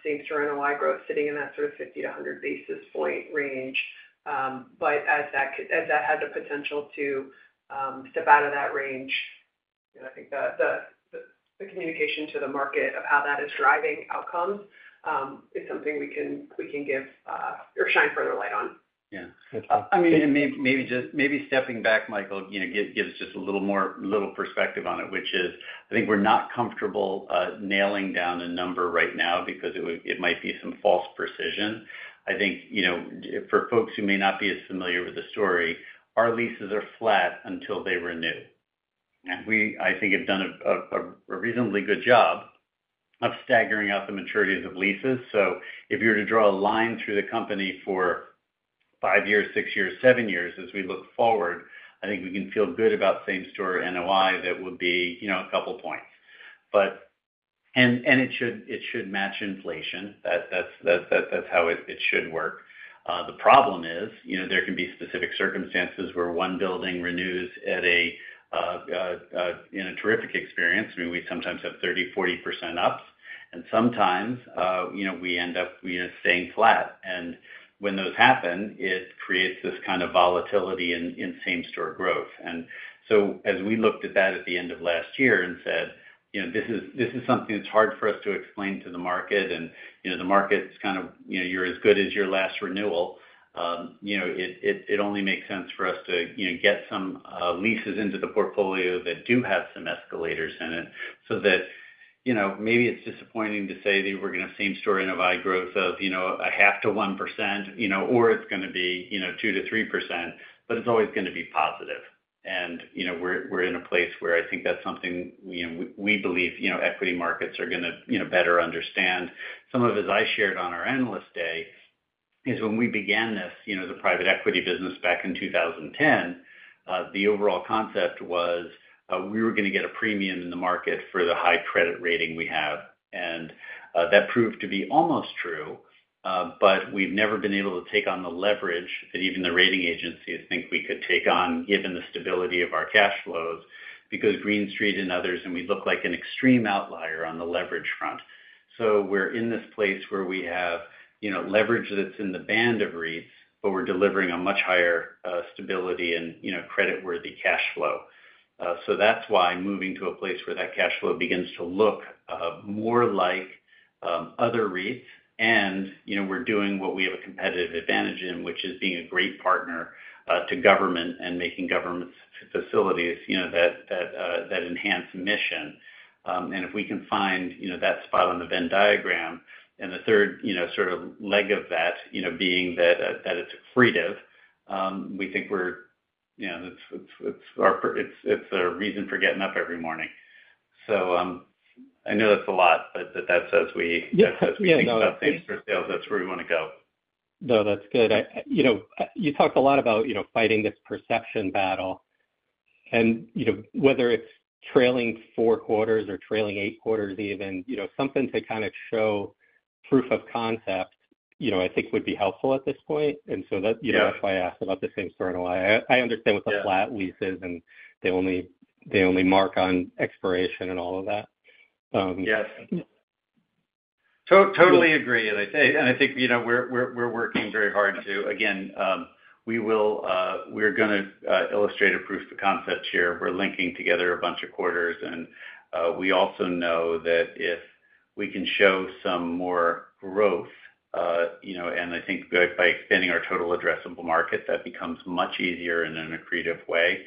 Same-Store NOI growth sitting in that sort of 50-100 basis point range. But as that has the potential to step out of that range, and I think the communication to the market of how that is driving outcomes is something we can give or shine further light on. Yeah. Okay. I mean, maybe just stepping back, Michael, you know, give us just a little more perspective on it, which is, I think we're not comfortable nailing down a number right now because it would be some false precision. I think, you know, for folks who may not be as familiar with the story, our leases are flat until they renew. And we, I think, have done a reasonably good job of staggering out the maturities of leases. So if you were to draw a line through the company for five years, six years, seven years, as we look forward, I think we can feel good about Same-Store NOI. That would be, you know, a couple points. But it should match inflation. That's how it should work. The problem is, you know, there can be specific circumstances where one building renews at a in a terrific experience, I mean, we sometimes have 30, 40% ups... and sometimes, you know, we end up, you know, staying flat. And when those happen, it creates this kind of volatility in same-store growth. And so as we looked at that at the end of last year and said, you know, this is, this is something that's hard for us to explain to the market, and, you know, the market's kind of, you know, you're as good as your last renewal. You know, it only makes sense for us to, you know, get some leases into the portfolio that do have some escalators in it, so that, you know, maybe it's disappointing to say that we're going to Same-Store NOI growth of, you know, 0.5%-1%, you know, or it's going to be, you know, 2%-3%, but it's always going to be positive. And, you know, we're in a place where I think that's something, you know, we believe, you know, equity markets are going to, you know, better understand. Some of it, as I shared on our Analyst Day, is when we began this, you know, the private equity business back in 2010, the overall concept was, we were going to get a premium in the market for the high credit rating we have. That proved to be almost true, but we've never been able to take on the leverage that even the rating agencies think we could take on, given the stability of our cash flows, because Green Street and others, and we look like an extreme outlier on the leverage front. So we're in this place where we have, you know, leverage that's in the band of REITs, but we're delivering a much higher stability and, you know, creditworthy cash flow. So that's why moving to a place where that cash flow begins to look more like other REITs. And, you know, we're doing what we have a competitive advantage in, which is being a great partner to government and making governments facilities, you know, that, that, that enhance mission. If we can find, you know, that spot on the Venn diagram and the third, you know, sort of leg of that, you know, being that it's accretive, we think we're, you know, it's our - it's a reason for getting up every morning. I know that's a lot, but that's as we- Yeah, no. Think about same-store sales, that's where we want to go. No, that's good. I, you know, you talked a lot about, you know, fighting this perception battle. And, you know, whether it's trailing four quarters or trailing eight quarters, even, you know, something to kind of show proof of concept, you know, I think would be helpful at this point. And so that- Yeah. You know, that's why I asked about the same-store NOI. Yeah. I understand with the flat leases and they only mark on expiration and all of that. Yes. Totally agree. And I think, you know, we're working very hard to... Again, we will, we're going to, illustrate a proof of concept here. We're linking together a bunch of quarters, and, we also know that if we can show some more growth, you know, and I think by expanding our total addressable market, that becomes much easier in an accretive way.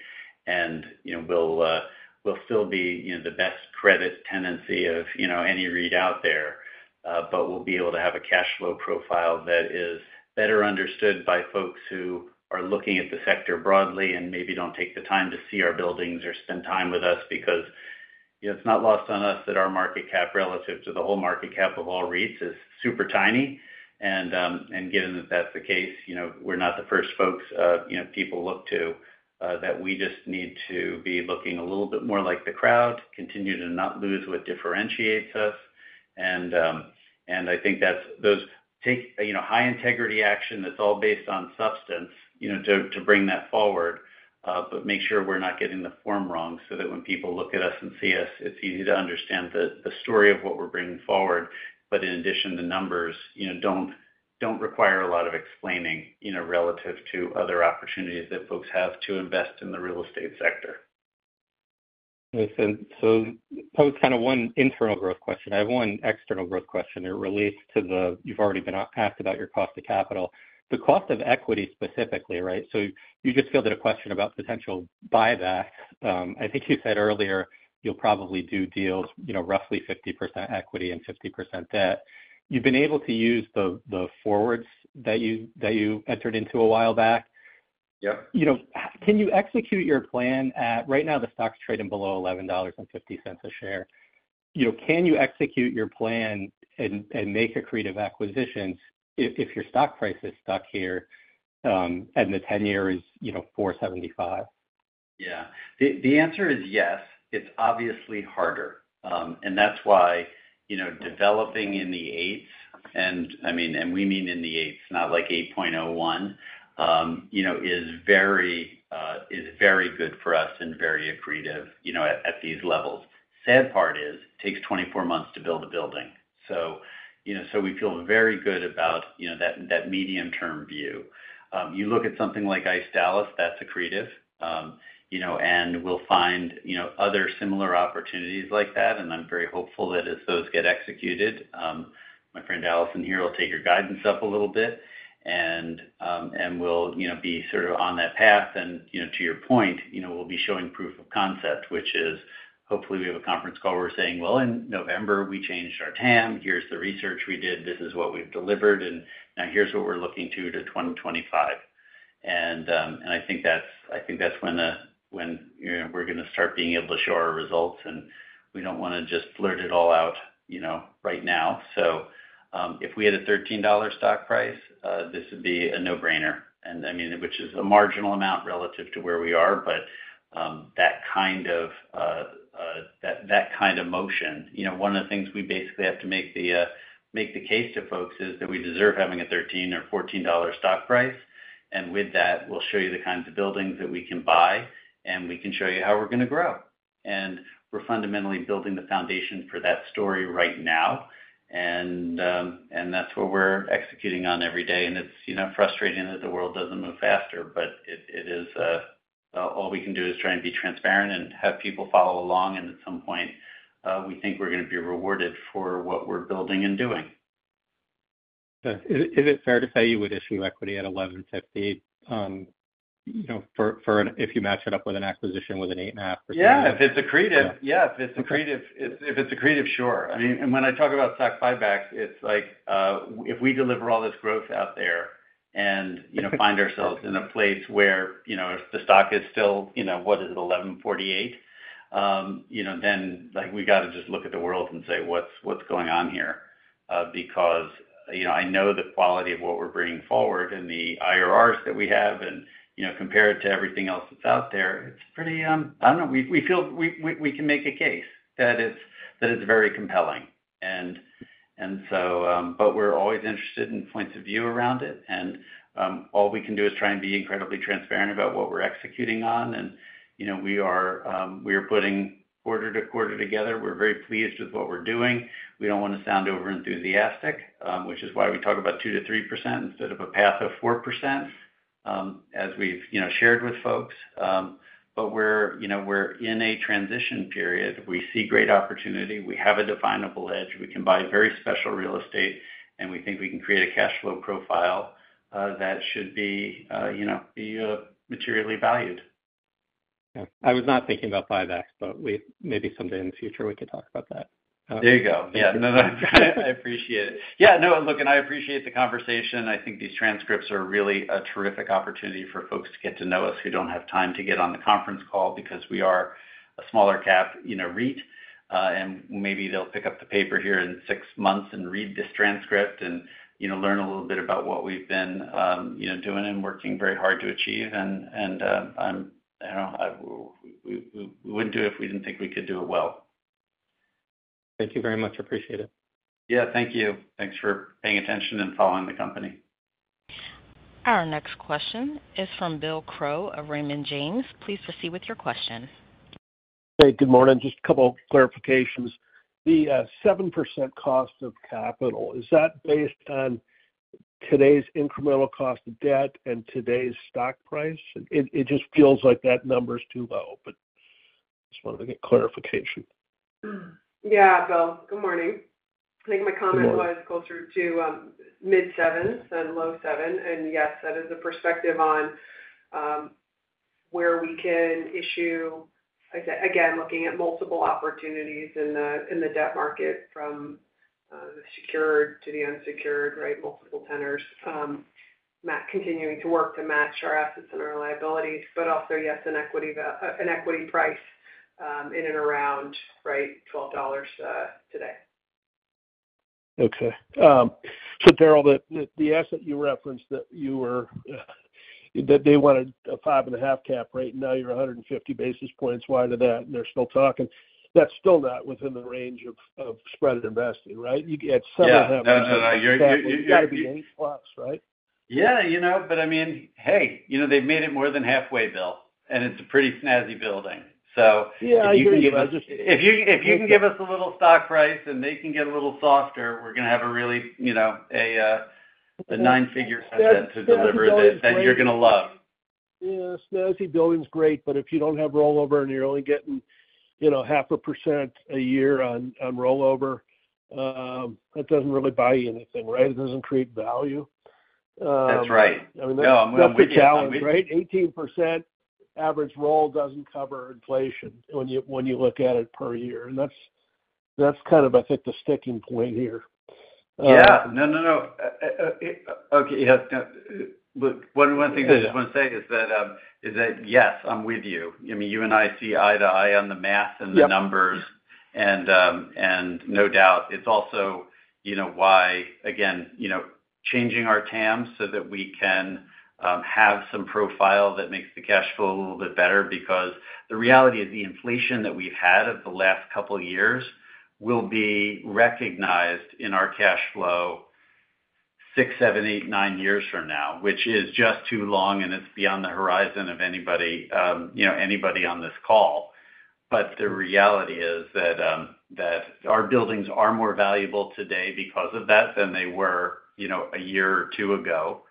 And, you know, we'll still be, you know, the best credit tenancy of, you know, any REIT out there. But we'll be able to have a cash flow profile that is better understood by folks who are looking at the sector broadly and maybe don't take the time to see our buildings or spend time with us. Because, you know, it's not lost on us that our market cap, relative to the whole market cap of all REITs, is super tiny. And, and given that that's the case, you know, we're not the first folks, you know, people look to, that we just need to be looking a little bit more like the crowd, continue to not lose what differentiates us. And, and I think that's those take, you know, high integrity action that's all based on substance, you know, to, to bring that forward, but make sure we're not getting the form wrong, so that when people look at us and see us, it's easy to understand the, the story of what we're bringing forward. But in addition, the numbers, you know, don't require a lot of explaining, you know, relative to other opportunities that folks have to invest in the real estate sector. Listen, so that was kind of one internal growth question. I have one external growth question. It relates to the... You've already been asked about your cost of capital. The cost of equity specifically, right? So you just fielded a question about potential buyback. I think you said earlier, you'll probably do deals, you know, roughly 50% equity and 50% debt. You've been able to use the forwards that you entered into a while back. Yep. You know, can you execute your plan right now, the stock's trading below $11.50 a share. You know, can you execute your plan and make accretive acquisitions if your stock price is stuck here, and the 10-year is, you know, 4.75%? Yeah. The answer is yes. It's obviously harder. And that's why, you know, developing in the eights, and I mean, and we mean in the eights, not like 8.01, you know, is very good for us and very accretive, you know, at these levels. Sad part is, it takes 24 months to build a building. So, you know, so we feel very good about, you know, that medium-term view. You look at something like ICE Dallas, that's accretive. You know, and we'll find, you know, other similar opportunities like that, and I'm very hopeful that as those get executed, my friend Allison here will take your guidance up a little bit. And we'll, you know, be sort of on that path. And, you know, to your point, you know, we'll be showing proof of concept, which is hopefully we have a conference call, we're saying: Well, in November, we changed our TAM. Here's the research we did. This is what we've delivered, and now here's what we're looking to, to 2025. And, and I think that's, I think that's when the, when, you know, we're going to start being able to show our results, and we don't want to just blurt it all out, you know, right now. So, if we had a $13 stock price, this would be a no-brainer. And I mean, which is a marginal amount relative to where we are. But, that kind of, that, that kind of motion... You know, one of the things we basically have to make the... Make the case to folks is that we deserve having a $13 or $14 stock price. With that, we'll show you the kinds of buildings that we can buy, and we can show you how we're going to grow. We're fundamentally building the foundation for that story right now. That's what we're executing on every day. It's, you know, frustrating that the world doesn't move faster, but it is all we can do is try and be transparent and have people follow along, and at some point, we think we're going to be rewarded for what we're building and doing. Is it fair to say you would issue equity at $11.50, you know, for if you match it up with an acquisition with an 8.5 or- Yeah, if it's accretive. Yeah. Yeah, if it's accretive, sure. I mean, when I talk about stock buybacks, it's like, if we deliver all this growth out there and, you know, find ourselves in a place where, you know, if the stock is still, you know, what is it, $11.48? You know, then, like, we got to just look at the world and say, "What's going on here?" Because, you know, I know the quality of what we're bringing forward and the IRRs that we have and, you know, compared to everything else that's out there, it's pretty... I don't know, we feel we can make a case. that it's very compelling. But we're always interested in points of view around it, and all we can do is try and be incredibly transparent about what we're executing on. You know, we are putting quarter to quarter together. We're very pleased with what we're doing. We don't want to sound over enthusiastic, which is why we talk about 2%-3% instead of a path of 4%, as we've, you know, shared with folks. But we're, you know, we're in a transition period. We see great opportunity. We have a definable edge. We can buy very special real estate, and we think we can create a cash flow profile that should be, you know, materially valued. Yeah. I was not thinking about buybacks, but we maybe someday in the future, we could talk about that. There you go. Yeah. I appreciate it. Yeah, no, look, and I appreciate the conversation. I think these transcripts are really a terrific opportunity for folks to get to know us who don't have time to get on the conference call because we are a smaller cap, you know, REIT. And maybe they'll pick up the paper here in six months and, you know, learn a little bit about what we've been, you know, doing and working very hard to achieve. And I'm, you know, we wouldn't do it if we didn't think we could do it well. Thank you very much. Appreciate it. Yeah, thank you. Thanks for paying attention and following the company. Our next question is from Bill Crow of Raymond James. Please proceed with your question. Hey, good morning. Just a couple of clarifications. The 7% cost of capital, is that based on today's incremental cost of debt and today's stock price? It just feels like that number is too low, but just wanted to get clarification. Yeah, Bill, good morning. Good morning. I think my comment was closer to mid-7s than low 7. And yes, that is a perspective on where we can issue, again, looking at multiple opportunities in the debt market from the secured to the unsecured, right, multiple tenors. Continuing to work to match our assets and our liabilities, but also, yes, an equity price in and around, right, $12 today. Okay. So Darrell, the asset you referenced that they wanted a 5.5 cap rate, and now you're 150 basis points wide of that, and they're still talking. That's still not within the range of spread investing, right? You get 7.5- Yeah. No, no, no, you're you- You got to be 8+, right? Yeah, you know, but I mean, hey, you know, they've made it more than halfway, Bill, and it's a pretty snazzy building, so- Yeah, I agree, but I just- If you, if you can give us a little stock price and they can get a little softer, we're going to have a really, you know, a, a nine-figure asset to deliver that, that you're gonna love. Yeah, snazzy building's great, but if you don't have rollover and you're only getting, you know, 0.5% a year on rollover, that doesn't really buy you anything, right? It doesn't create value. That's right. I mean, that's the challenge, right? No, I'm with you. 18% average roll doesn't cover inflation when you look at it per year. And that's kind of, I think, the sticking point here. Yeah. No, no, no. Okay, yes. Look, one thing I just want to say is that, yes, I'm with you. I mean, you and I see eye to eye on the math- Yep... and the numbers, and no doubt, it's also, you know, why, again, you know, changing our TAM so that we can have some profile that makes the cash flow a little bit better. Because the reality is, the inflation that we've had over the last couple of years will be recognized in our cash flow 6, 7, 8, 9 years from now, which is just too long, and it's beyond the horizon of anybody, you know, anybody on this call. But the reality is that our buildings are more valuable today because of that than they were, you know, a year or two ago.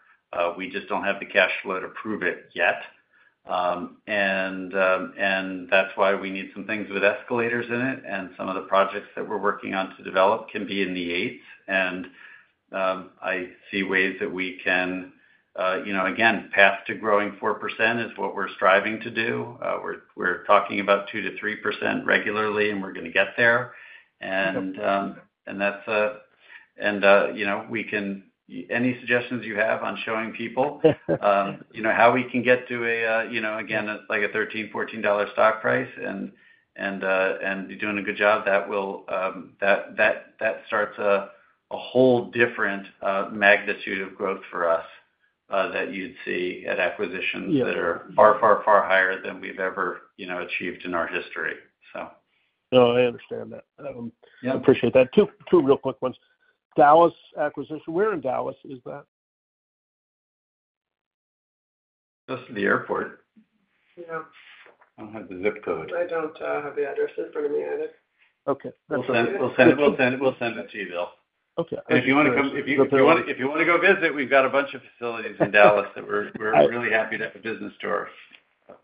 We just don't have the cash flow to prove it yet. That's why we need some things with escalators in it and some of the projects that we're working on to develop can be in the eights. And I see ways that we can, you know, again, path to growing 4% is what we're striving to do. We're talking about 2%-3% regularly, and we're going to get there. Yep. And you know, we can-- any suggestions you have on showing people-- you know, how we can get to a, you know, again, like a $13-$14 stock price and doing a good job, that will, that starts a whole different magnitude of growth for us.... that you'd see at acquisitions- Yeah. that are far, far, far higher than we've ever, you know, achieved in our history, so. No, I understand that. Yeah. I appreciate that. Two, two real quick ones. Dallas acquisition, where in Dallas is that? Just the airport. Yeah. I don't have the ZIP code. I don't have the addresses in front of me, either. Okay, that's okay. We'll send it to you, Bill. Okay. If you want to go visit, we've got a bunch of facilities in Dallas that we're really happy to have a business tour.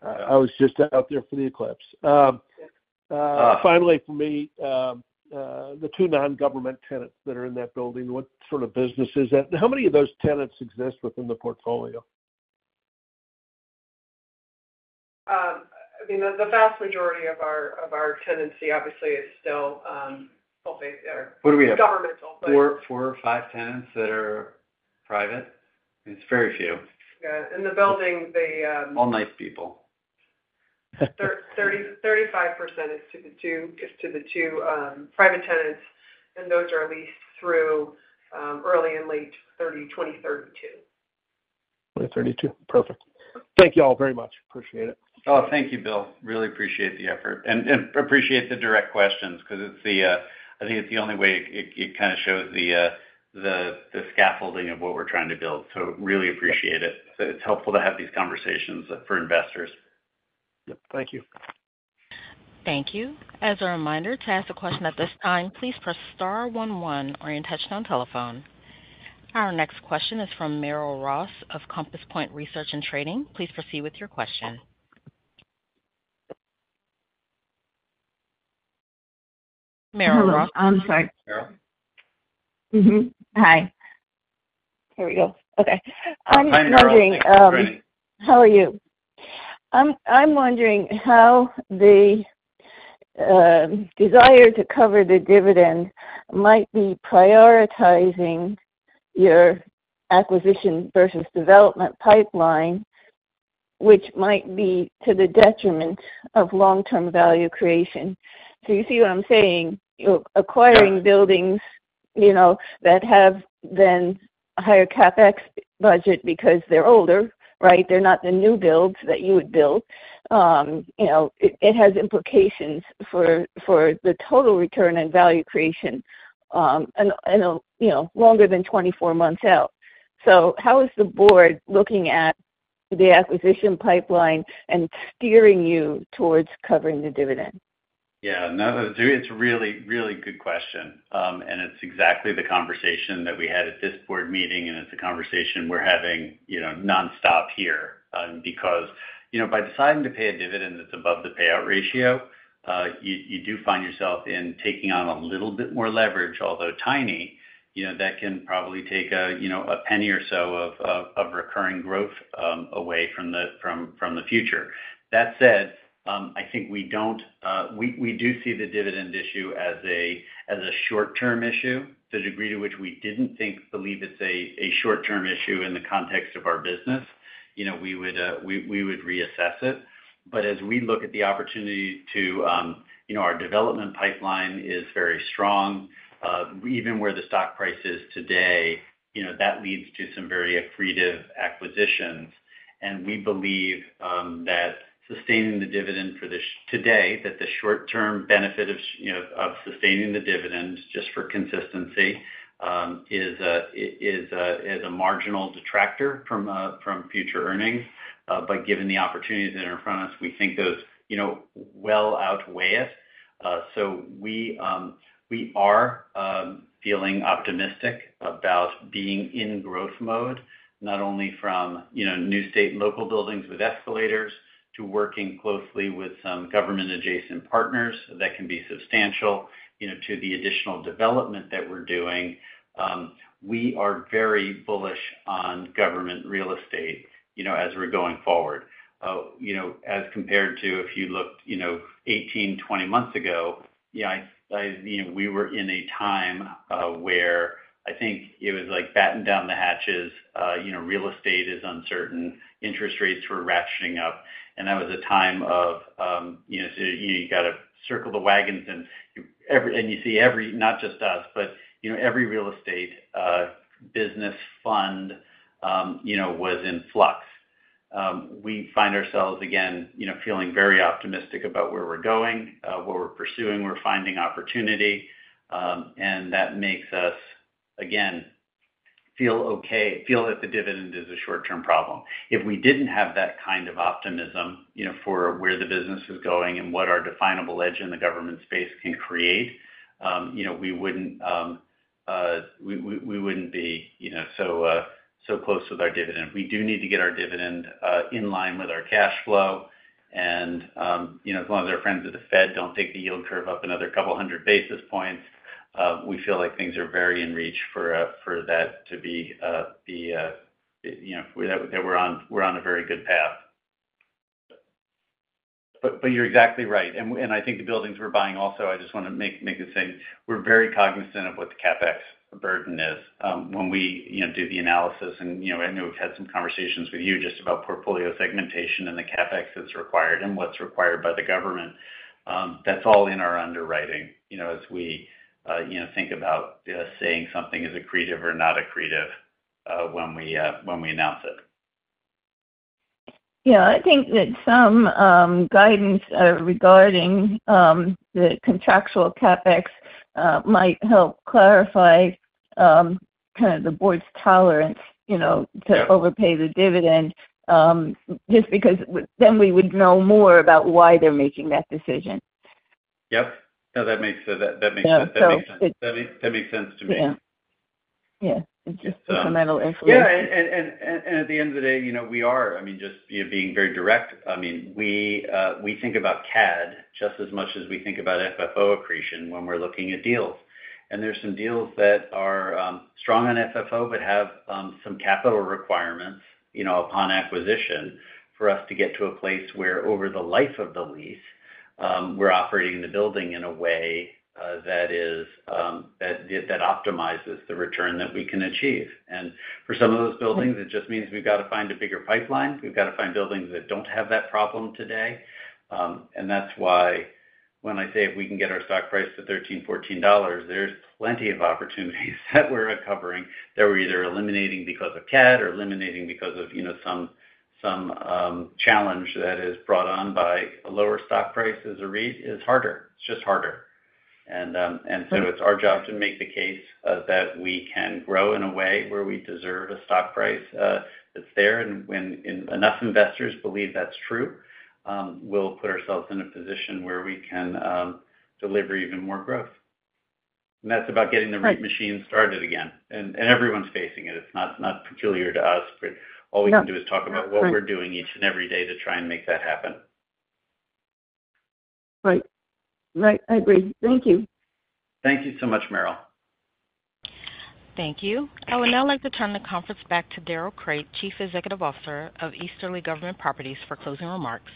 I was just out there for the eclipse. Finally, for me, the two non-government tenants that are in that building, what sort of business is that? How many of those tenants exist within the portfolio? I mean, the vast majority of our tenancy obviously is still, well, they are- What do we have? Governmental. 4, 4 or 5 tenants that are private. It's very few. Yeah. In the building, they, All nice people. 30-35% is to the 2 private tenants, and those are leased through early and late 2030, 2032. 2032. Perfect. Thank you all very much. Appreciate it. Oh, thank you, Bill. Really appreciate the effort and appreciate the direct questions because it's the, I think it's the only way it kind of shows the scaffolding of what we're trying to build. So really appreciate it. So it's helpful to have these conversations for investors. Yep. Thank you. Thank you. As a reminder, to ask a question at this time, please press star one one on your touchtone telephone. Our next question is from Merrill Ross of Compass Point Research and Trading. Please proceed with your question. Merrill Ross. I'm sorry. Merrill? Mm-hmm. Hi. Here we go. Okay. Hi, Merrill. I'm wondering how the desire to cover the dividend might be prioritizing your acquisition versus development pipeline, which might be to the detriment of long-term value creation. Do you see what I'm saying? You know, acquiring buildings, you know, that have then a higher CapEx budget because they're older, right? They're not the new builds that you would build. You know, it has implications for the total return on value creation, and you know, longer than 24 months out. So how is the board looking at the acquisition pipeline and steering you towards covering the dividend? Yeah, no, it's a really, really good question. And it's exactly the conversation that we had at this board meeting, and it's a conversation we're having, you know, nonstop here. Because, you know, by deciding to pay a dividend that's above the payout ratio, you do find yourself in taking on a little bit more leverage, although tiny, you know, that can probably take a, you know, a penny or so of recurring growth away from the future. That said, I think we don't... We do see the dividend issue as a short-term issue to the degree to which we didn't think, believe it's a short-term issue in the context of our business. You know, we would reassess it. But as we look at the opportunity to, you know, our development pipeline is very strong. Even where the stock price is today, you know, that leads to some very accretive acquisitions. And we believe that sustaining the dividend today, that the short-term benefit of, you know, of sustaining the dividend, just for consistency, is a marginal detractor from future earnings. But given the opportunities that are in front of us, we think those, you know, well outweigh it. So we are feeling optimistic about being in growth mode, not only from, you know, new state and local buildings with escalators, to working closely with some government adjacent partners that can be substantial, you know, to the additional development that we're doing. We are very bullish on government real estate, you know, as we're going forward. You know, as compared to, if you looked, you know, 18, 20 months ago, you know, I you know, we were in a time, where I think it was like batten down the hatches, you know, real estate is uncertain, interest rates were ratcheting up, and that was a time of, you know, so you got to circle the wagons and you see every, not just us, but, you know, every real estate, business fund, you know, was in flux. We find ourselves again, you know, feeling very optimistic about where we're going, what we're pursuing. We're finding opportunity, and that makes us, again, feel okay, feel that the dividend is a short-term problem. If we didn't have that kind of optimism, you know, for where the business is going and what our definable edge in the government space can create, you know, we wouldn't be, you know, so close with our dividend. We do need to get our dividend in line with our cash flow. And, you know, as long as our friends at the Fed don't take the yield curve up another couple hundred basis points, we feel like things are very in reach for for that to be the you know that we're on a very good path. But you're exactly right. And I think the buildings we're buying also, I just want to make this thing. We're very cognizant of what the CapEx burden is, when we, you know, do the analysis and, you know, I know we've had some conversations with you just about portfolio segmentation and the CapEx that's required and what's required by the government.... that's all in our underwriting, you know, as we, you know, think about, saying something is accretive or not accretive, when we, when we announce it. Yeah, I think that some guidance regarding the contractual CapEx might help clarify kind of the board's tolerance, you know- Yeah to overpay the dividend, just because then we would know more about why they're making that decision. Yep. No, that makes sense, that, that makes sense. Yeah, so it- That makes sense to me. Yeah. Yeah, it's just fundamental information. Yeah, and at the end of the day, you know, we are, I mean, just, you know, being very direct, I mean, we, we think about CAD just as much as we think about FFO accretion when we're looking at deals. And there's some deals that are strong on FFO, but have some capital requirements, you know, upon acquisition, for us to get to a place where over the life of the lease, we're operating the building in a way that is that optimizes the return that we can achieve. And for some of those buildings, it just means we've got to find a bigger pipeline. We've got to find buildings that don't have that problem today. And that's why when I say if we can get our stock price to $13-$14, there's plenty of opportunities that we're recovering, that we're either eliminating because of CAD or eliminating because of, you know, some challenge that is brought on by a lower stock price as a REIT is harder. It's just harder. And, and so it's our job to make the case that we can grow in a way where we deserve a stock price that's fair. And when, and enough investors believe that's true, we'll put ourselves in a position where we can deliver even more growth. And that's about getting the REIT machine started again. And, and everyone's facing it. It's not peculiar to us, but- No All we can do is talk about what we're doing each and every day to try and make that happen. Right. Right, I agree. Thank you. Thank you so much, Merrill. Thank you. I would now like to turn the conference back to Darrell Crate, Chief Executive Officer of Easterly Government Properties, for closing remarks.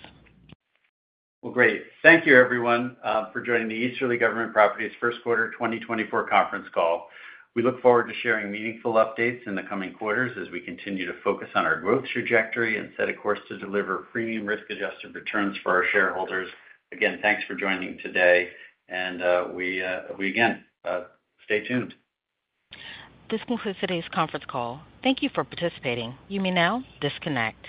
Well, great. Thank you, everyone, for joining the Easterly Government Properties first quarter 2024 conference call. We look forward to sharing meaningful updates in the coming quarters as we continue to focus on our growth trajectory and set a course to deliver premium risk-adjusted returns for our shareholders. Again, thanks for joining today, and we again stay tuned. This concludes today's conference call. Thank you for participating. You may now disconnect.